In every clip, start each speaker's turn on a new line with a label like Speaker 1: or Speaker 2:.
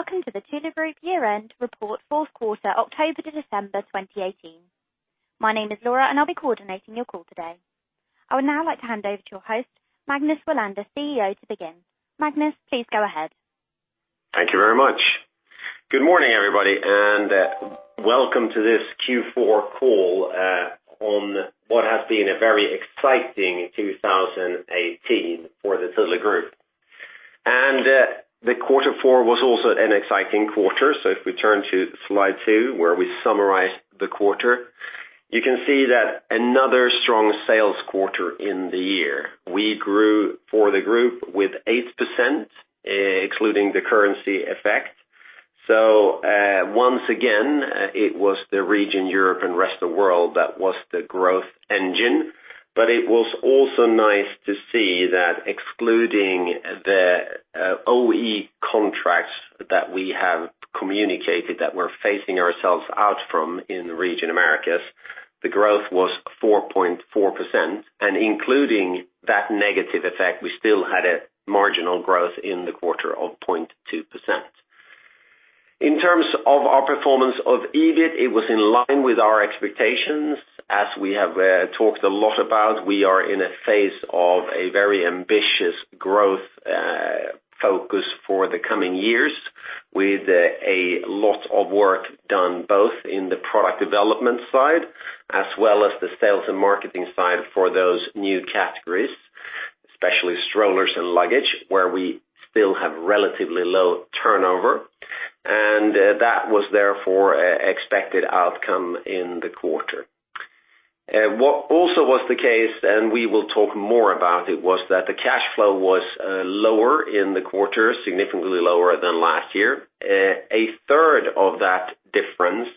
Speaker 1: Welcome to the Thule Group Year End Report Fourth Quarter October to December 2018. My name is Laura and I will be coordinating your call today. I would now like to hand over to your host, Magnus Welander, CEO, to begin. Magnus, please go ahead.
Speaker 2: Thank you very much. Good morning, everybody, and welcome to this Q4 call on what has been a very exciting 2018 for the Thule Group. The quarter four was also an exciting quarter. If we turn to slide two, where we summarize the quarter, you can see that another strong sales quarter in the year. We grew for the group with 8%, excluding the currency effect. Once again, it was the region Europe and rest of world that was the growth engine, but it was also nice to see that excluding the OE contracts that we have communicated that we are phasing ourselves out from in the region Americas, the growth was 4.4%, and including that negative effect, we still had a marginal growth in the quarter of 0.2%. In terms of our performance of EBIT, it was in line with our expectations. As we have talked a lot about, we are in a phase of a very ambitious growth focus for the coming years with a lot of work done, both in the product development side, as well as the sales and marketing side for those new categories, especially strollers and luggage, where we still have relatively low turnover. That was therefore expected outcome in the quarter. What also was the case, and we will talk more about it, was that the cash flow was lower in the quarter, significantly lower than last year. A third of that difference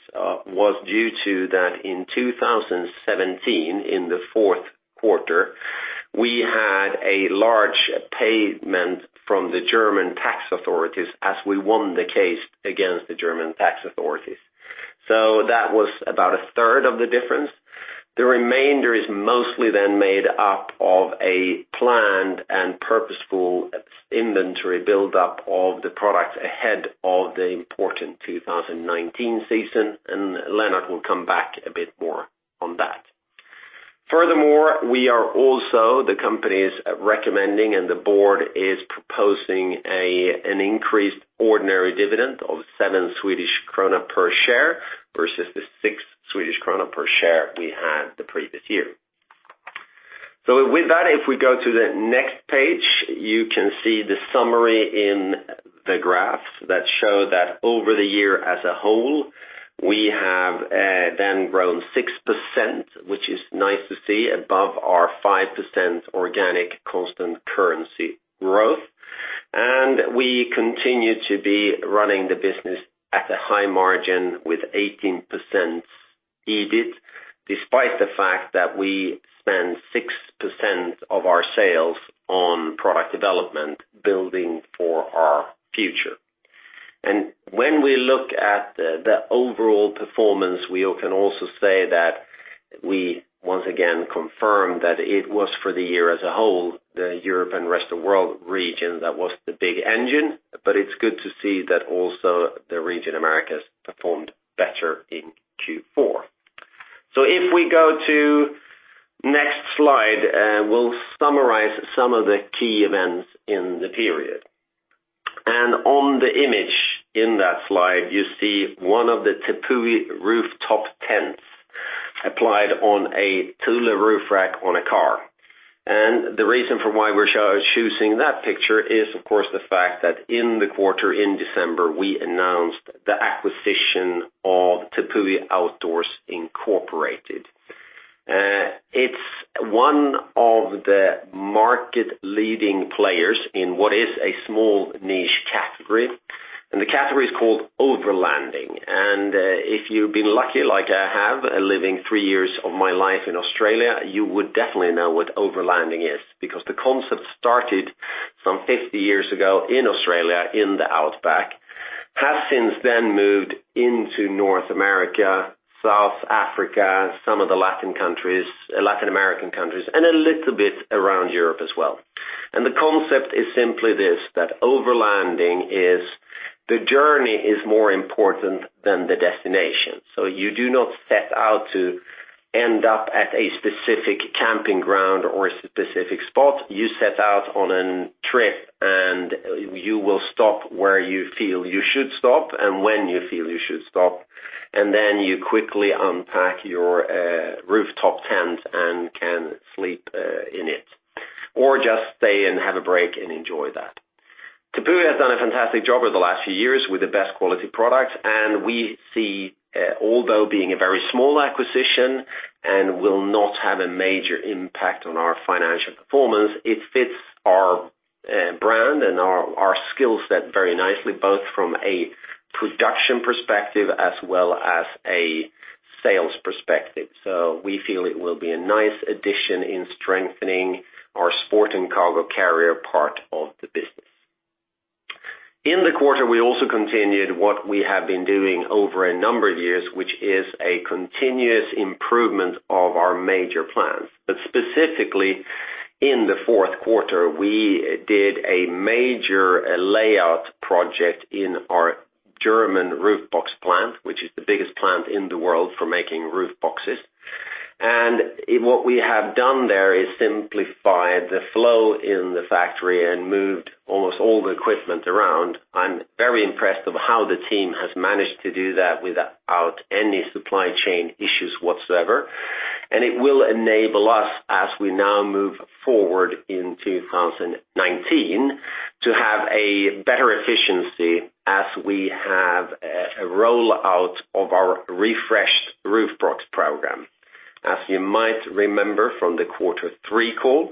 Speaker 2: was due to that in 2017, in the fourth quarter, we had a large payment from the German tax authorities as we won the case against the German tax authorities. That was about a third of the difference. The remainder is mostly then made up of a planned and purposeful inventory build-up of the products ahead of the important 2019 season, and Lennart will come back a bit more on that. Furthermore, we are also, the company is recommending and the board is proposing an increased ordinary dividend of 7 Swedish krona per share versus the 6 Swedish krona per share we had the previous year. With that, if we go to the next page, you can see the summary in the graph that show that over the year as a whole, we have then grown 6%, which is nice to see above our 5% organic constant currency growth. We continue to be running the business at a high margin with 18% EBIT, despite the fact that we spend 6% of our sales on product development building for our future. When we look at the overall performance, we can also say that we once again confirmed that it was for the year as a whole, the Europe and rest of world region, that was the big engine, but it's good to see that also the region Americas performed better in Q4. If we go to next slide, we'll summarize some of the key events in the period. On the image in that slide, you see one of the Tepui rooftop tents applied on a Thule roof rack on a car. The reason for why we're choosing that picture is, of course, the fact that in the quarter, in December, we announced the acquisition of Tepui Outdoors, Inc. It's one of the market leading players in what is a small niche category, and the category is called overlanding. If you've been lucky like I have, living three years of my life in Australia, you would definitely know what overlanding is because the concept started some 50 years ago in Australia, in the Outback, has since then moved into North America, South Africa, some of the Latin American countries, and a little bit around Europe as well. The concept is simply this: that overlanding is the journey is more important than the destination. You do not set out to end up at a specific camping ground or a specific spot. You set out on an trip and you will stop where you feel you should stop and when you feel you should stop, and then you quickly unpack your rooftop tent and can sleep in it, or just stay and have a break and enjoy that. Tepui has done a fantastic job over the last few years with the best quality product, we see, although being a very small acquisition and will not have a major impact on our financial performance, it fits our brand and our skill set very nicely, both from a production perspective as well as a sales perspective. We feel it will be a nice addition in strengthening our Sport & Cargo Carriers part of the business. In the quarter, we also continued what we have been doing over a number of years, which is a continuous improvement of our major plans, but specifically. In the fourth quarter, we did a major layout project in our German roof box plant, which is the biggest plant in the world for making roof boxes. What we have done there is simplify the flow in the factory and moved almost all the equipment around. I'm very impressed of how the team has managed to do that without any supply chain issues whatsoever. It will enable us, as we now move forward in 2019, to have a better efficiency as we have a rollout of our refreshed roof box program. As you might remember from the quarter three call,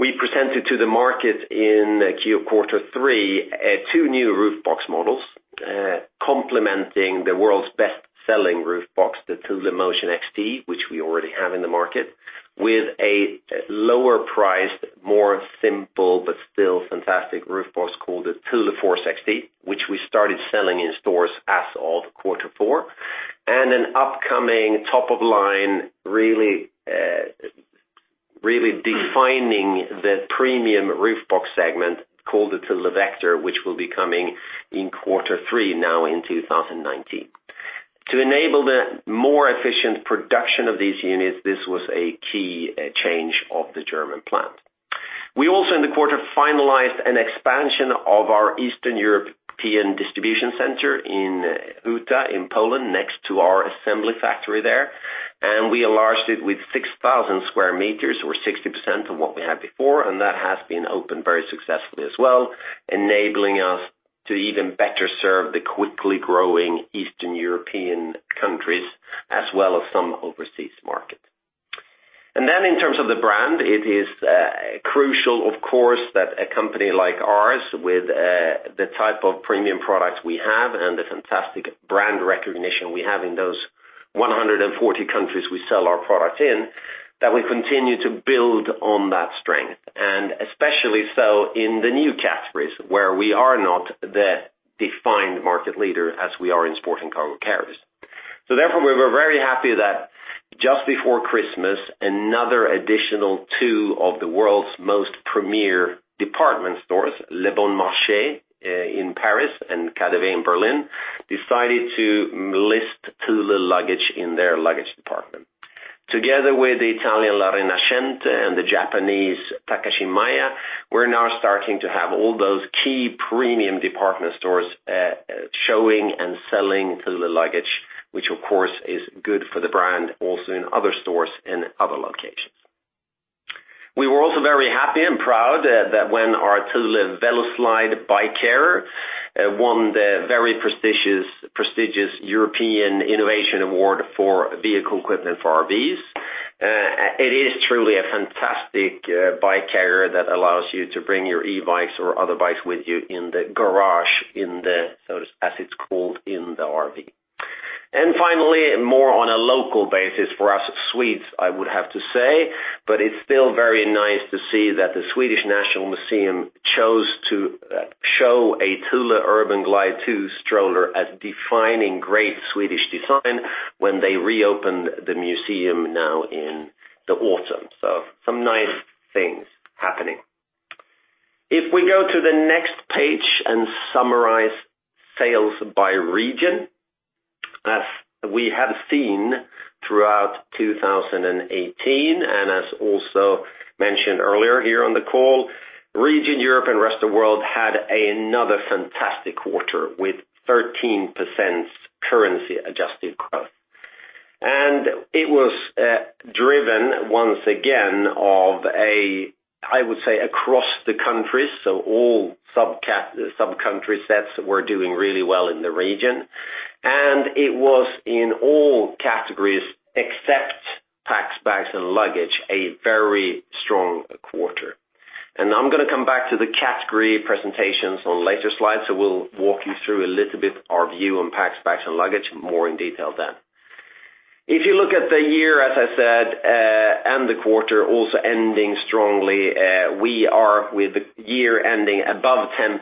Speaker 2: we presented to the market in quarter three, two new roof box models, complementing the world's best-selling roof box, the Thule Motion XT, which we already have in the market, with a lower priced, more simple, but still fantastic roof box called the Thule Force XT, which we started selling in stores as of quarter four. An upcoming top of line, really defining the premium roof box segment called the Thule Vector, which will be coming in quarter 3 now in 2019. To enable the more efficient production of these units, this was a key change of the German plant. We also in the quarter finalized an expansion of our Eastern European distribution center in Huta, in Poland, next to our assembly factory there. We enlarged it with 6,000 sq m or 60% of what we had before. That has been opened very successfully as well, enabling us to even better serve the quickly growing Eastern European countries as well as some overseas markets. In terms of the brand, it is crucial, of course, that a company like ours with the type of premium products we have and the fantastic brand recognition we have in those 140 countries we sell our products in, that we continue to build on that strength, especially so in the new categories where we are not the defined market leader as we are in Sport & Cargo Carriers. Therefore, we were very happy that just before Christmas, another additional two of the world's most premier department stores, Le Bon Marché in Paris and KaDeWe in Berlin, decided to list Thule luggage in their luggage department. Together with the Italian la Rinascente and the Japanese Takashimaya, we are now starting to have all those key premium department stores showing and selling Thule luggage, which of course is good for the brand also in other stores in other locations. We were also very happy and proud that when our Thule VeloSlide bike carrier won the very prestigious European Innovation Award for vehicle equipment for RVs. It is truly a fantastic bike carrier that allows you to bring your e-bikes or other bikes with you in the garage, as it's called in the RV. Finally, more on a local basis for us Swedes, I would have to say, but it's still very nice to see that the Swedish Nationalmuseum chose to show a Thule Urban Glide 2 stroller as defining great Swedish design when they reopened the museum now in the autumn. Some nice things happening. If we go to the next page and summarize sales by region. As we have seen throughout 2018, as also mentioned earlier here on the call, region Europe and Rest of World had another fantastic quarter with 13% currency adjusted growth. It was driven once again of, I would say, across the countries, all sub-country sets were doing really well in the region. It was in all categories except Packs, Bags & Luggage, a very strong quarter. I'm going to come back to the category presentations on later slides. We'll walk you through a little bit our view on Packs, Bags & Luggage more in detail then. If you look at the year, as I said, and the quarter also ending strongly, we are with the year ending above 10%,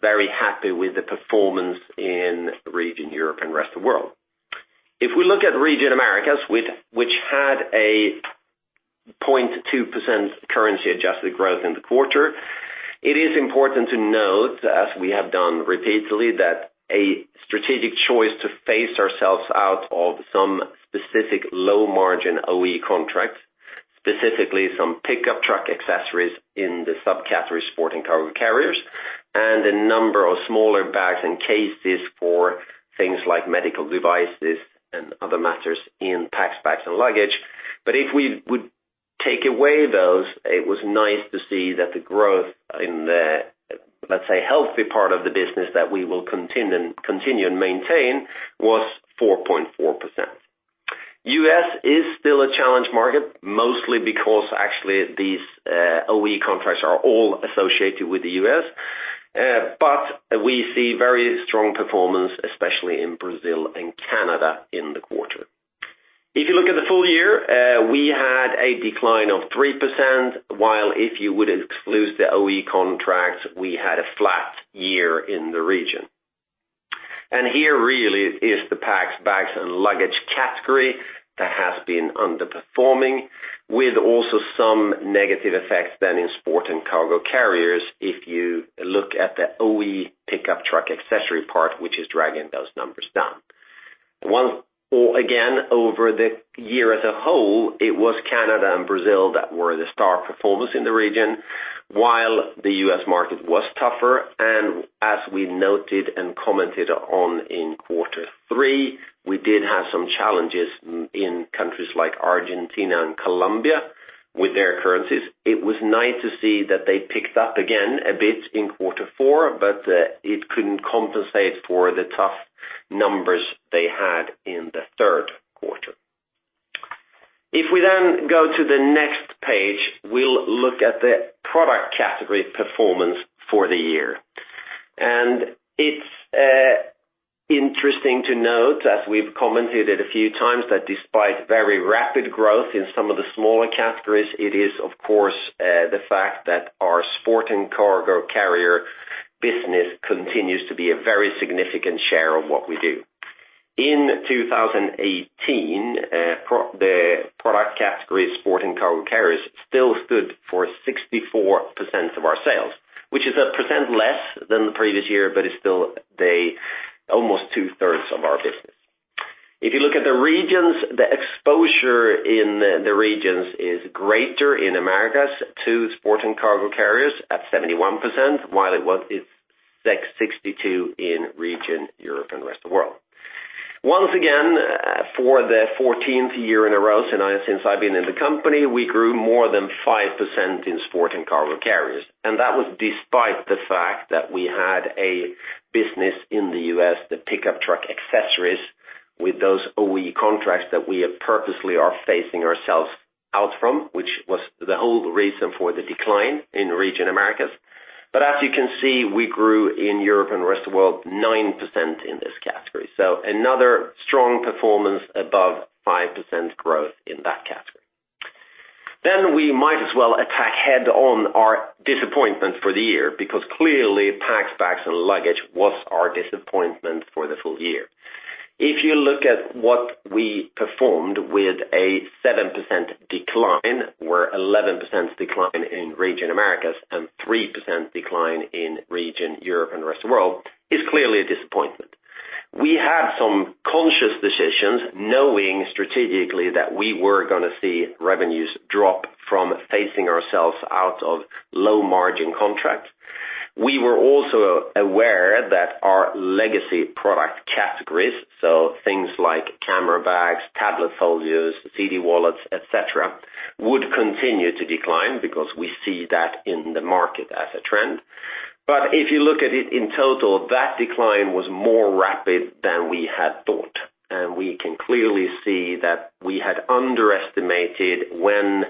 Speaker 2: very happy with the performance in region Europe and Rest of World. If we look at region Americas, which had a 0.2% currency-adjusted growth in the quarter, it is important to note, as we have done repeatedly, that a strategic choice to phase ourselves out of some specific low-margin OE contracts, specifically some pickup truck accessories in the subcategory Sport & Cargo Carriers, and a number of smaller bags and cases for things like medical devices and other matters in Packs, Bags & Luggage. If we would take away those, it was nice to see that the growth in the, let's say, healthy part of the business that we will continue and maintain was 4.4%. U.S. is still a challenge market, mostly because actually these OE contracts are all associated with the U.S. We see very strong performance, especially in Brazil and Canada in the quarter. If you look at the full year, we had a decline of 3%, while if you would exclude the OE contracts, we had a flat year in the region. Here really is the Packs, Bags & Luggage category that has been underperforming, with also some negative effects than in Sport & Cargo Carriers if you look at the OE pickup truck accessory part, which is dragging those numbers down. Again, over the year as a whole, it was Canada and Brazil that were the star performers in the region, while the U.S. market was tougher. As we noted and commented on in quarter three, we did have some challenges in countries like Argentina and Colombia with their currencies. It was nice to see that they picked up again a bit in quarter four, but it couldn't compensate for the tough numbers they had in the third quarter. If we then go to the next page, we'll look at the product category performance for the year. It's interesting to note, as we've commented a few times, that despite very rapid growth in some of the smaller categories, it is of course, the fact that our Sport & Cargo Carriers business continues to be a very significant share of what we do. In 2018, the product category of Sport & Cargo Carriers still stood for 64% of our sales, which is 1 percent less than the previous year, but is still almost two-thirds of our business. If you look at the regions, the exposure in the regions is greater in Americas to Sport & Cargo Carriers at 71%, while it was at 62% in region Europe and Rest of World. Once again, for the 14th year in a row since I've been in the company, we grew more than 5% in Sport & Cargo Carriers. That was despite the fact that we had a business in the U.S., the pickup truck accessories with those OE contracts that we purposely are phasing ourselves out from, which was the whole reason for the decline in region Americas. As you can see, we grew in Europe and rest of world 9% in this category. another strong performance above 5% growth in that category. We might as well attack head-on our disappointment for the year, because clearly Packs, Bags & Luggage was our disappointment for the full year. If you look at what we performed with a 7% decline, where 11% decline in region Americas and 3% decline in region Europe and the rest of world is clearly a disappointment. We had some conscious decisions knowing strategically that we were going to see revenues drop from phasing ourselves out of low-margin contracts. We were also aware that our legacy product categories, so things like camera bags, tablet folios, CD wallets, et cetera, would continue to decline because we see that in the market as a trend. If you look at it in total, that decline was more rapid than we had thought, we can clearly see that we had underestimated when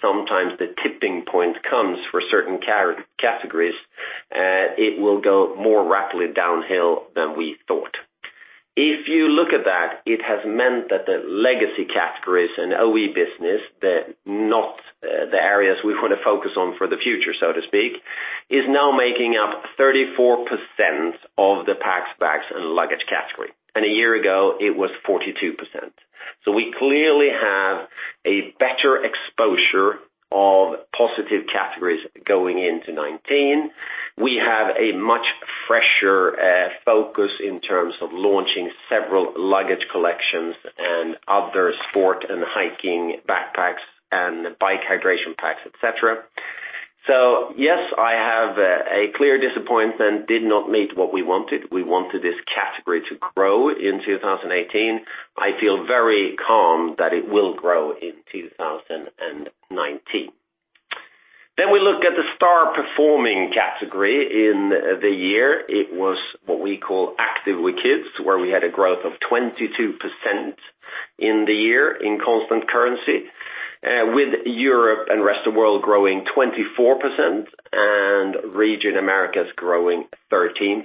Speaker 2: sometimes the tipping point comes for certain categories, it will go more rapidly downhill than we thought. If you look at that, it has meant that the legacy categories and OE business, not the areas we want to focus on for the future, so to speak, is now making up 34% of the Packs, Bags & Luggage category. A year ago, it was 42%. We clearly have a better exposure of positive categories going into 2019. We have a much fresher focus in terms of launching several luggage collections and other sport and hiking backpacks and bike hydration packs, et cetera. Yes, I have a clear disappointment. Did not meet what we wanted. We wanted this category to grow in 2018. I feel very calm that it will grow in 2019. We look at the star-performing category in the year. It was what we call Active with Kids, where we had a growth of 22% in the year in constant currency, with Europe and rest of world growing 24% and region Americas growing 13%.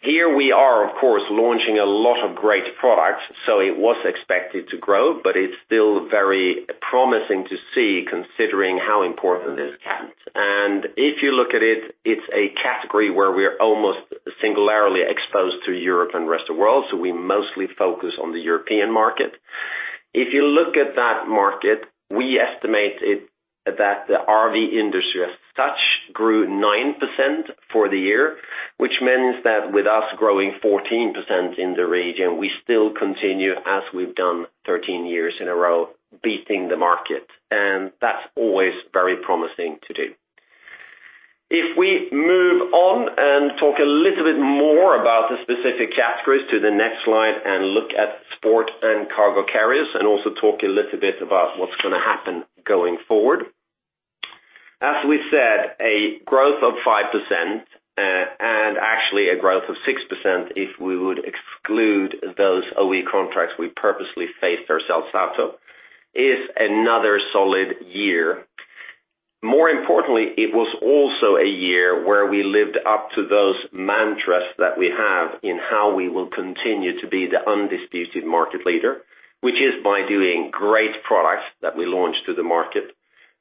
Speaker 2: Here we are, of course, launching a lot of great products. It was expected to grow, but it's still very promising to see considering how important this category is. If you look at it's a category where we're almost singularly exposed to Europe and rest of world, so we mostly focus on the European market. If you look at that market, we estimate that the RV industry as such grew 9% for the year, which means that with us growing 14% in the region, we still continue as we've done 13 years in a row, beating the market, and that's always very promising to do. If we move on and talk a little bit more about the specific categories to the next slide and look at Sport & Cargo Carriers, and also talk a little bit about what's going to happen going forward. As we said, a growth of 5%, and actually a growth of 6% if we would exclude those OE contracts we purposely phased ourselves out of, is another solid year. More importantly, it was also a year where we lived up to those mantras that we have in how we will continue to be the undisputed market leader, which is by doing great products that we launch to the market.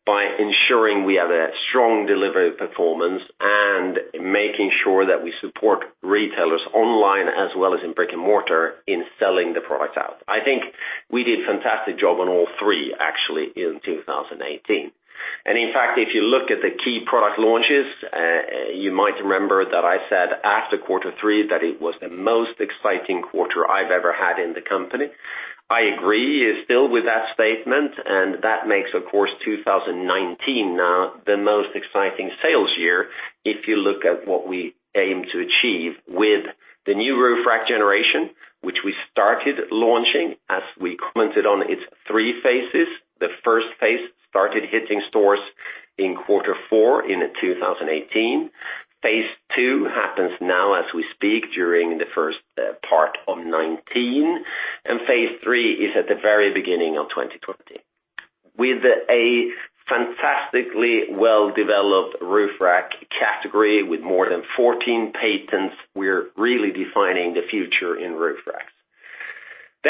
Speaker 2: By ensuring we have a strong delivery performance and making sure that we support retailers online as well as in brick and mortar in selling the product out. I think we did a fantastic job on all three, actually, in 2018. In fact, if you look at the key product launches, you might remember that I said after quarter 3 that it was the most exciting quarter I've ever had in the company. I agree still with that statement. That makes, of course, 2019 now the most exciting sales year if you look at what we aim to achieve with the new roof rack generation, which we started launching as we commented on its 3 phases. The first phase started hitting stores in quarter 4 in 2018. Phase 2 happens now as we speak, during the first part of 2019, and phase 3 is at the very beginning of 2020. With a fantastically well-developed roof rack category with more than 14 patents, we're really defining the future in roof racks.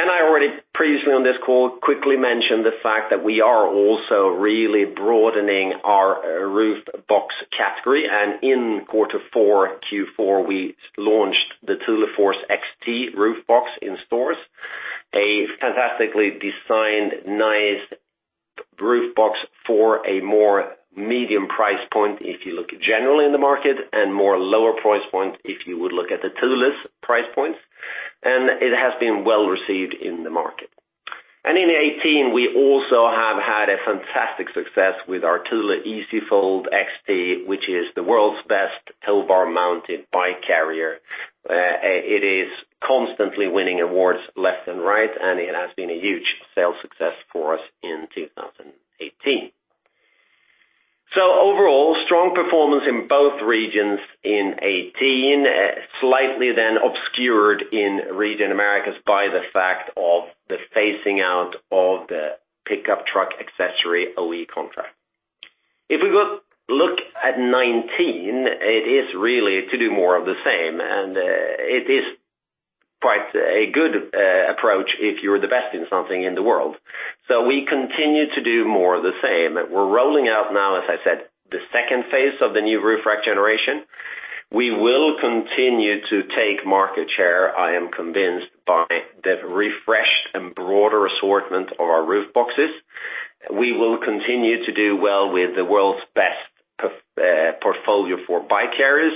Speaker 2: I already previously on this call quickly mentioned the fact that we are also really broadening our roof box category. In quarter 4, Q4, we launched the Thule Force XT roof box in stores. A fantastically designed, nice roof box for a more medium price point if you look generally in the market. Lower price point if you would look at Thule's price points, and it has been well-received in the market. In 2018, we also have had a fantastic success with our Thule EasyFold XT, which is the world's best tow bar-mounted bike carrier. It is constantly winning awards left and right, and it has been a huge sales success for us in 2018. Overall, strong performance in both regions in 2018, slightly then obscured in region Americas by the fact of the phasing out of the pickup truck accessory OE contract. If we look at 2019, it is really to do more of the same, and it is quite a good approach if you're the best in something in the world. We continue to do more of the same. We're rolling out now, as I said, the phase 2 of the new roof rack generation. We will continue to take market share, I am convinced, by the refreshed and broader assortment of our roof boxes. We will continue to do well with the world's best portfolio for bike carriers.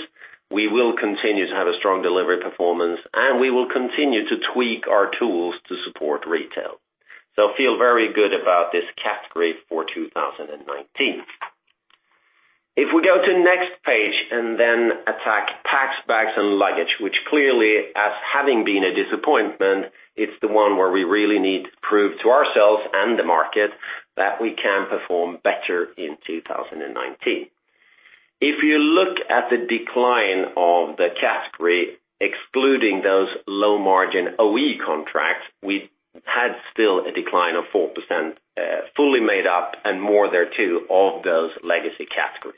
Speaker 2: We will continue to have a strong delivery performance. We will continue to tweak our tools to support retail. Feel very good about this category for 2019. If we go to next page, then attack Packs, Bags & Luggage, which clearly as having been a disappointment, it's the one where we really need to prove to ourselves and the market that we can perform better in 2019. If you look at the decline of the category, excluding those low-margin OE contracts, we had still a decline of 4%, fully made up and more thereto of those legacy categories.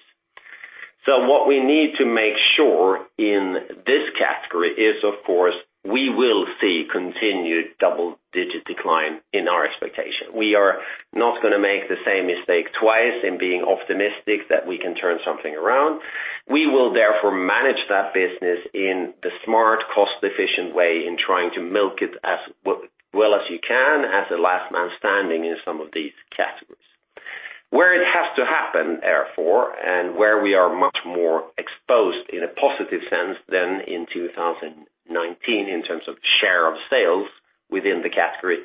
Speaker 2: What we need to make sure in this category is, of course, we will see continued double-digit decline in our expectation. We are not going to make the same mistake twice in being optimistic that we can turn something around. We will therefore manage that business in the smart, cost-efficient way in trying to milk it as well as you can as the last man standing in some of these categories. Where it has to happen, therefore, and where we are much more exposed in a positive sense than in 2019 in terms of share of sales within the category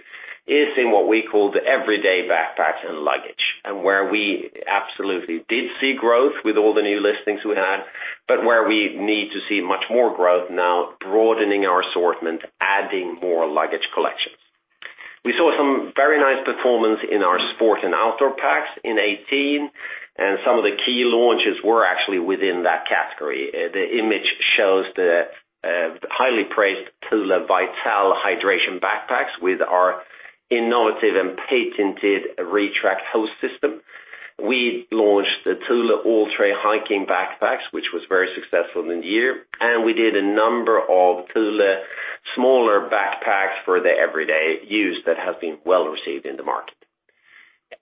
Speaker 2: is in what we call the everyday backpacks and luggage. Where we absolutely did see growth with all the new listings we had, but where we need to see much more growth now, broadening our assortment, adding more luggage collections. We saw some very nice performance in our sport and outdoor packs in 2018, and some of the key launches were actually within that category. The image shows the highly praised Thule Vital hydration backpacks with our innovative and patented ReTrack hose system. We launched the Thule AllTrail hiking backpacks, which was very successful in the year, and we did a number of Thule smaller backpacks for the everyday use that have been well received in the market.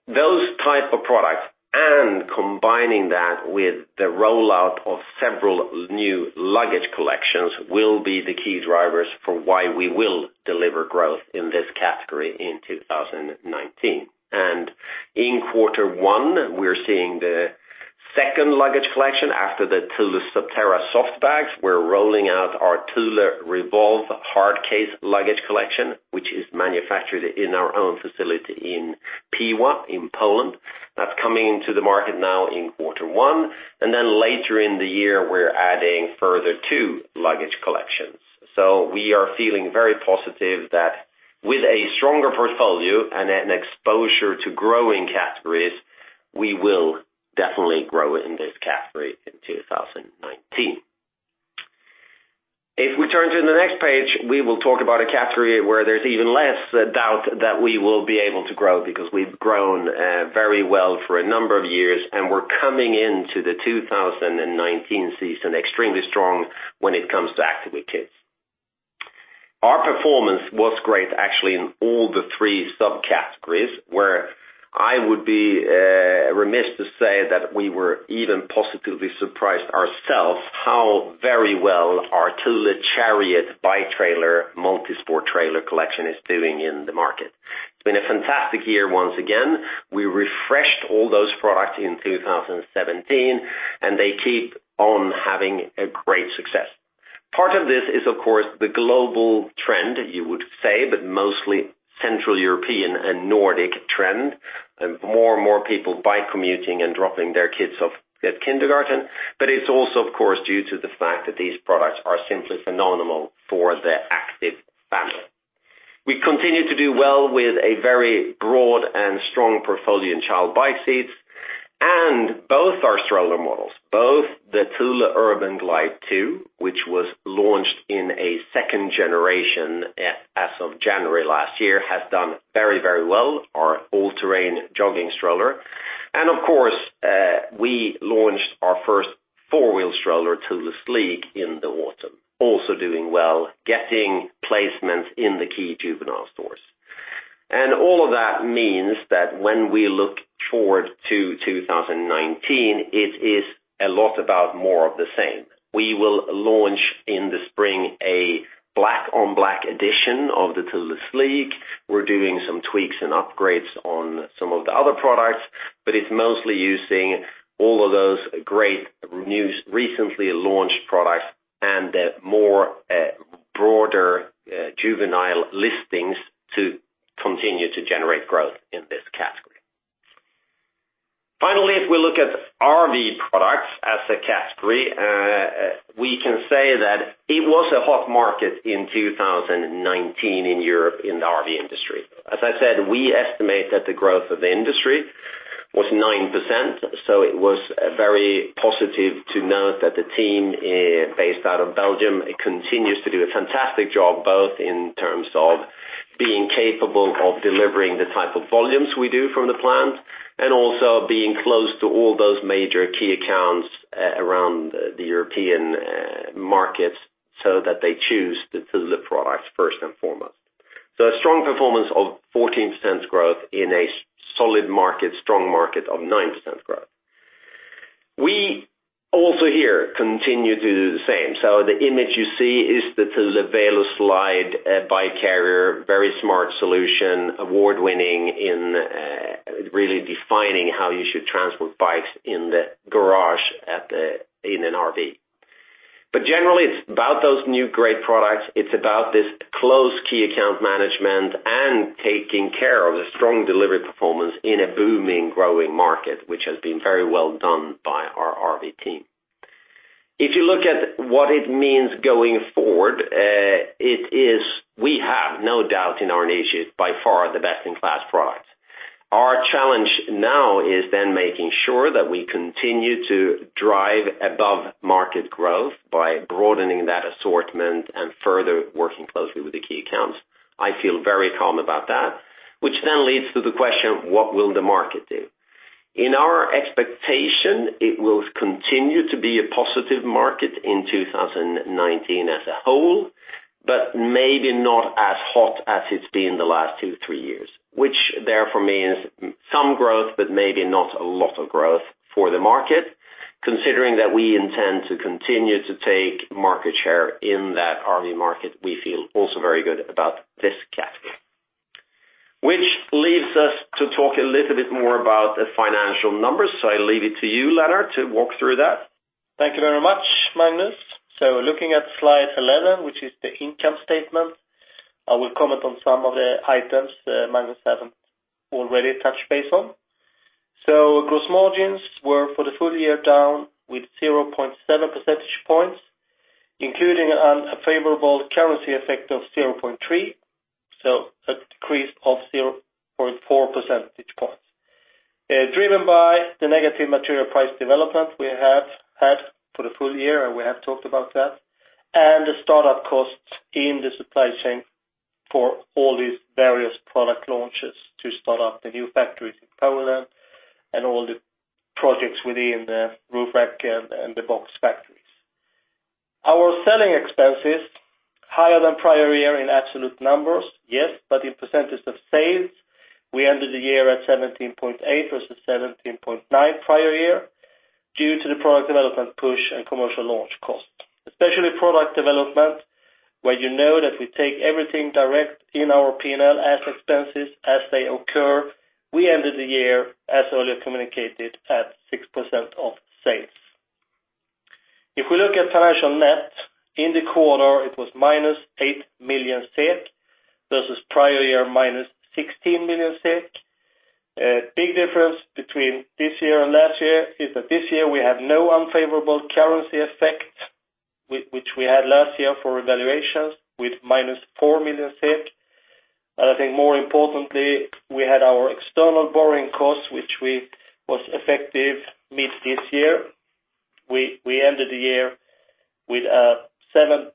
Speaker 2: Those type of products and combining that with the rollout of several new luggage collections will be the key drivers for why we will deliver growth in this category in 2019. In quarter one, we're seeing the second luggage collection after the Thule Subterra soft bags. We're rolling out our Thule Revolve hard case luggage collection, which is manufactured in our own facility in Piła in Poland. That's coming into the market now in quarter one, and later in the year, we're adding further two luggage collections. We are feeling very positive that with a stronger portfolio and an exposure to growing categories, we will definitely grow in this category in 2019. If we turn to the next page, we will talk about a category where there's even less doubt that we will be able to grow because we've grown very well for a number of years, and we're coming into the 2019 season extremely strong when it comes to Active with Kids. Our performance was great actually in all the three subcategories, where I would be remiss to say that we were even positively surprised ourselves how very well our Thule Chariot bike trailer, multi-sport trailer collection is doing in the market. It's been a fantastic year once again. We refreshed all those products in 2017, and they keep on having a great success. Part of this is, of course, the global trend, you would say, but mostly Central European and Nordic trend. More and more people bike commuting and dropping their kids off at kindergarten. It's also, of course, due to the fact that these products are simply phenomenal for the active family. We continue to do well with a very broad and strong portfolio in child bike seats and both our stroller models. Both the Thule Urban Glide 2, which was launched in a second generation as of January last year, has done very well. Our all-terrain jogging stroller. Of course, we launched our first four-wheel stroller, Thule Sleek, in the autumn. Also doing well, getting placements in the key juvenile stores. All of that means that when we look forward to 2019, it is a lot about more of the same. We will launch in the spring a black-on-black edition of the Thule Sleek. We're doing some tweaks and upgrades on some of the other products. It's mostly using all of those great, recently launched products and the more broader juvenile listings to continue to generate growth in this category. Finally, if we look at RV Products as a category, we can say that it was a hot market in 2019 in Europe in the RV industry. As I said, we estimate that the growth of the industry was 9%. It was very positive to note that the team based out of Belgium continues to do a fantastic job, both in terms of being capable of delivering the type of volumes we do from the plant, and also being close to all those major key accounts around the European markets, so that they choose the Thule products first and foremost. A strong performance of 14% growth in a solid market, strong market of 9% growth. We also here continue to do the same. The image you see is the Thule VeloSlide bike carrier, very smart solution, award-winning in really defining how you should transport bikes in the garage in an RV. Generally, it's about those new great products. It's about this close key account management and taking care of the strong delivery performance in a booming, growing market, which has been very well done by our RV team. If you look at what it means going forward, we have no doubt in our niches by far the best-in-class products. Our challenge now is then making sure that we continue to drive above market growth by broadening that assortment and further working closely with the key accounts. I feel very calm about that, which then leads to the question: what will the market do? In our expectation, it will continue to be a positive market in 2019 as a whole, but maybe not as hot as it's been the last two, three years, which therefore means some growth, but maybe not a lot of growth for the market. Considering that we intend to continue to take market share in that RV market, we feel also very good about this category. Which leaves us to talk a little bit more about the financial numbers. I leave it to you, Lennart, to walk through that.
Speaker 3: Thank you very much, Magnus. Looking at slide 11, which is the income statement, I will comment on some of the items Magnus hasn't already touched base on. Gross margins were for the full year down with 0.7 percentage points, including an unfavorable currency effect of 0.3 percentage points. A decrease of 0.4 percentage points. Driven by the negative material price development we have had for the full year, and we have talked about that, and the startup costs in the supply chain for all these various product launches to start up the new factories in Poland and all the projects within the roof rack and the box factories. Our selling expenses, higher than prior year in absolute numbers, yes, but in percentage of sales, we ended the year at 17.8% versus 17.9% prior year due to the product development push and commercial launch cost. Especially product development, where you know that we take everything direct in our P&L as expenses as they occur. We ended the year, as earlier communicated, at 6% of sales. If we look at financial net in the quarter, it was minus 8 million SEK versus prior year minus 16 million SEK. A big difference between this year and last year is that this year we have no unfavorable currency effect, which we had last year for evaluations with minus 4 million. I think more importantly, we had our external borrowing cost, which was effective mid this year. We ended the year with 7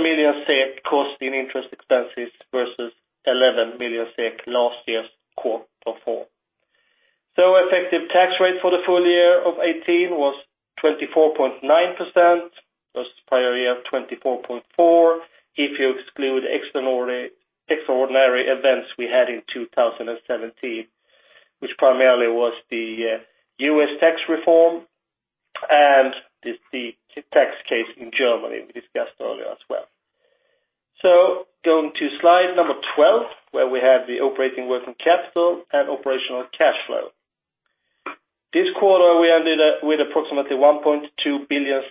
Speaker 3: million SEK cost in interest expenses versus 11 million SEK last year's quarter four. The tax rate for the full year of 2018 was 24.9%, versus prior year of 24.4%, if you exclude extraordinary events we had in 2017, which primarily was the U.S. tax reform and the tax case in Germany we discussed earlier as well. Going to slide number 12, where we have the operating working capital and operational cash flow. This quarter, we ended up with approximately 1.2 billion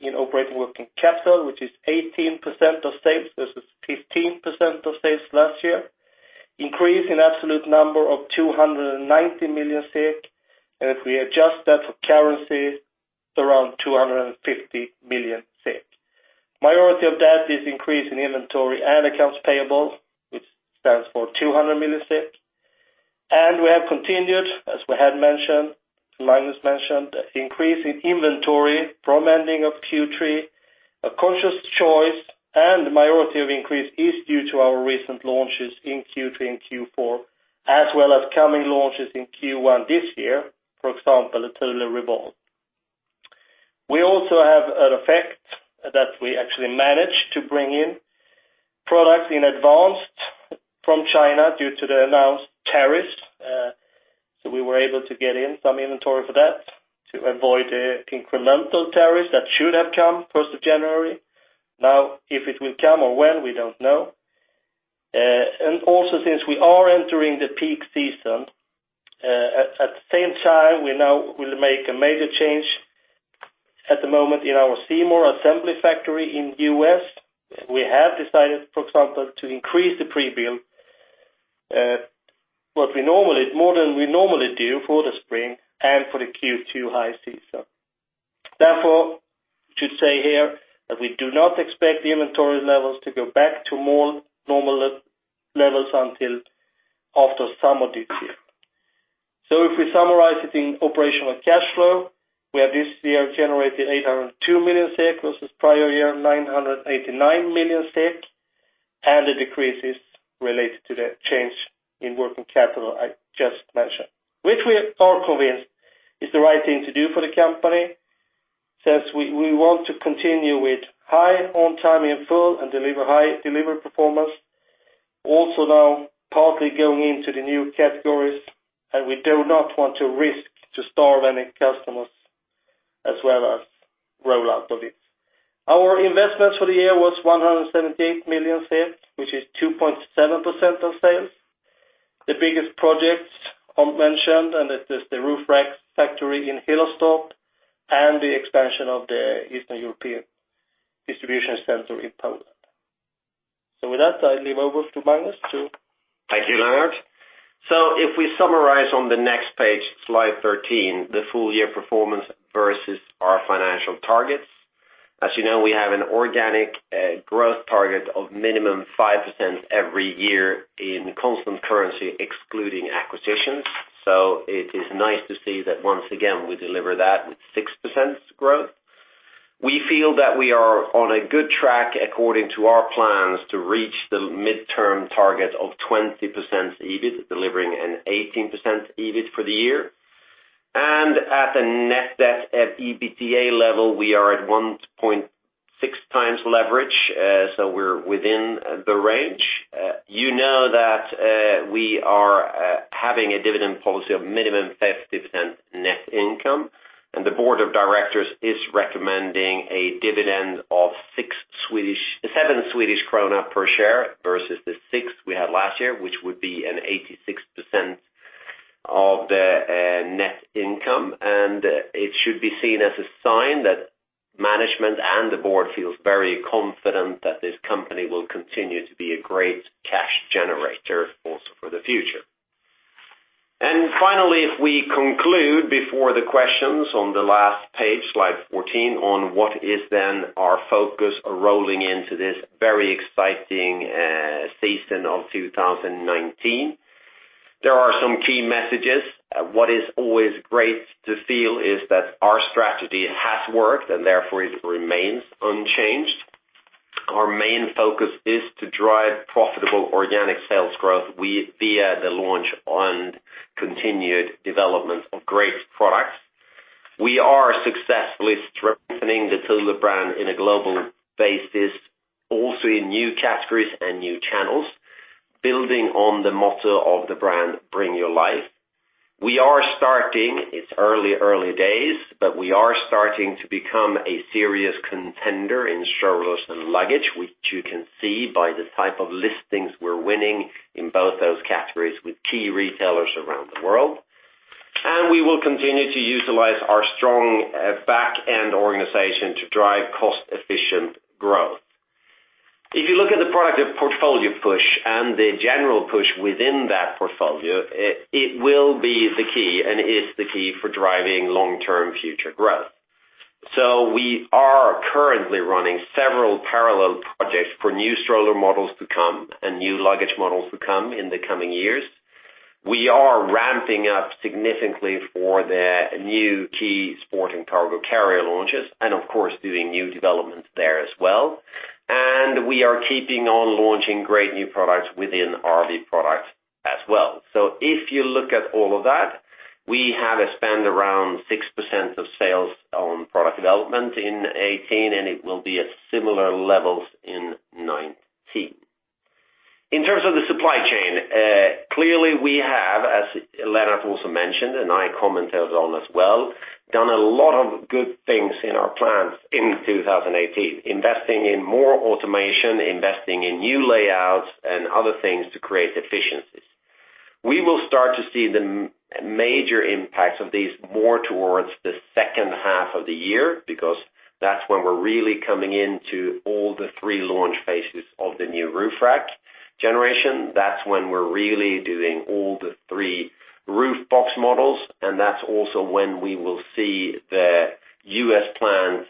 Speaker 3: in operating working capital, which is 18% of sales versus 15% of sales last year. Increase in absolute number of 290 million SEK, and if we adjust that for currency, it's around 250 million SEK. Majority of that is increase in inventory and accounts payable, which stands for 200 million. We have continued, as we had mentioned, Magnus mentioned, increase in inventory from ending of Q3, a conscious choice, and majority of increase is due to our recent launches in Q3 and Q4, as well as coming launches in Q1 this year, for example, the Thule Revolve. We also have an effect that we actually managed to bring in products in advance from China due to the announced tariffs. We were able to get in some inventory for that to avoid the incremental tariffs that should have come 1st of January. Now, if it will come or when, we don't know. Also since we are entering the peak season, at the same time, we now will make a major change at the moment in our Seymour assembly factory in U.S. We have decided, for example, to increase the prebuild, more than we normally do for the spring and for the Q2 high season. Therefore, to say here that we do not expect the inventory levels to go back to more normal levels until after summer this year. If we summarize it in operational cash flow, where this year generated 802 million SEK versus prior year, 989 million SEK, the decrease is related to the change in working capital I just mentioned, which we are convinced is the right thing to do for the company since we want to continue with high on-time in full and deliver high delivery performance. Also now partly going into the new categories, and we do not want to risk to starve any customers as well as rollout of it. Our investment for the year was 178 million, which is 2.7% of sales. The biggest projects I mentioned, that is the roof rack factory in Hillerstorp and the expansion of the Eastern European distribution center in Poland. With that, I leave over to Magnus.
Speaker 2: Thank you, Lennart. If we summarize on the next page, slide 13, the full year performance versus our financial targets. As you know, we have an organic growth target of minimum 5% every year in constant currency, excluding acquisitions. It is nice to see that once again, we deliver that with 6% growth. We feel that we are on a good track according to our plans to reach the midterm target of 20% EBIT, delivering an 18% EBIT for the year. At a net debt at EBITDA level, we are at 1.6 times leverage, we're within the range. You know that we are having a dividend policy of minimum 5% net income, and the board of directors is recommending a dividend of 7 Swedish krona per share versus the 6 we had last year, which would be an 86% of the net income. It should be seen as a sign that management and the board feels very confident that this company will continue to be a great cash generator also for the future. Finally, if we conclude before the questions on the last page, slide 14, on what is then our focus rolling into this very exciting season of 2019. There are some key messages. What is always great to feel is that our strategy has worked, and therefore it remains unchanged. Our main focus is to drive profitable organic sales growth via the launch and continued development of great products. We are successfully strengthening the Thule brand in a global basis, also in new categories and new channels, building on the motto of the brand, Bring Your Life. We are starting, it's early days, but we are starting to become a serious contender in strollers and luggage, which you can see by the type of listings we are winning in both those categories with key retailers around the world. We will continue to utilize our strong back-end organization to drive cost-efficient growth. If you look at the product portfolio push and the general push within that portfolio, it will be the key and is the key for driving long-term future growth. We are currently running several parallel projects for new stroller models to come and new luggage models to come in the coming years. We are ramping up significantly for the new key Sport & Cargo Carriers launches, and of course, doing new developments there as well. We are keeping on launching great new products within RV Products as well. If you look at all of that, we have spent around 6% of sales on product development in 2018, and it will be at similar levels in 2019. In terms of the supply chain, clearly we have, as Lennart also mentioned, and I commented on as well, done a lot of good things in our plans in 2018. Investing in more automation, investing in new layouts and other things to create efficiencies. We will start to see the major impacts of these more towards the second half of the year, because that's when we are really coming into all the three launch phases of the new roof rack generation. That's when we are really doing all the three roof box models, and that's also when we will see the U.S. plans,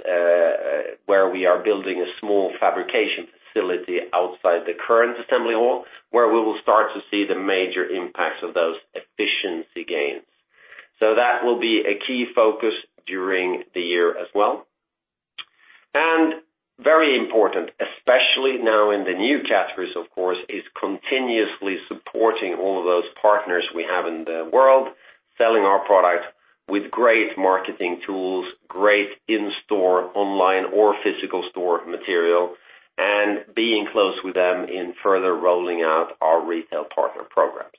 Speaker 2: where we are building a small fabrication facility outside the current assembly hall, where we will start to see the major impacts of those efficiency gains. That will be a key focus during the year as well. Very important, especially now in the new categories, of course, is continuously supporting all of those partners we have in the world, selling our products with great marketing tools, great in-store, online or physical store material, and being close with them in further rolling out our retail partner programs.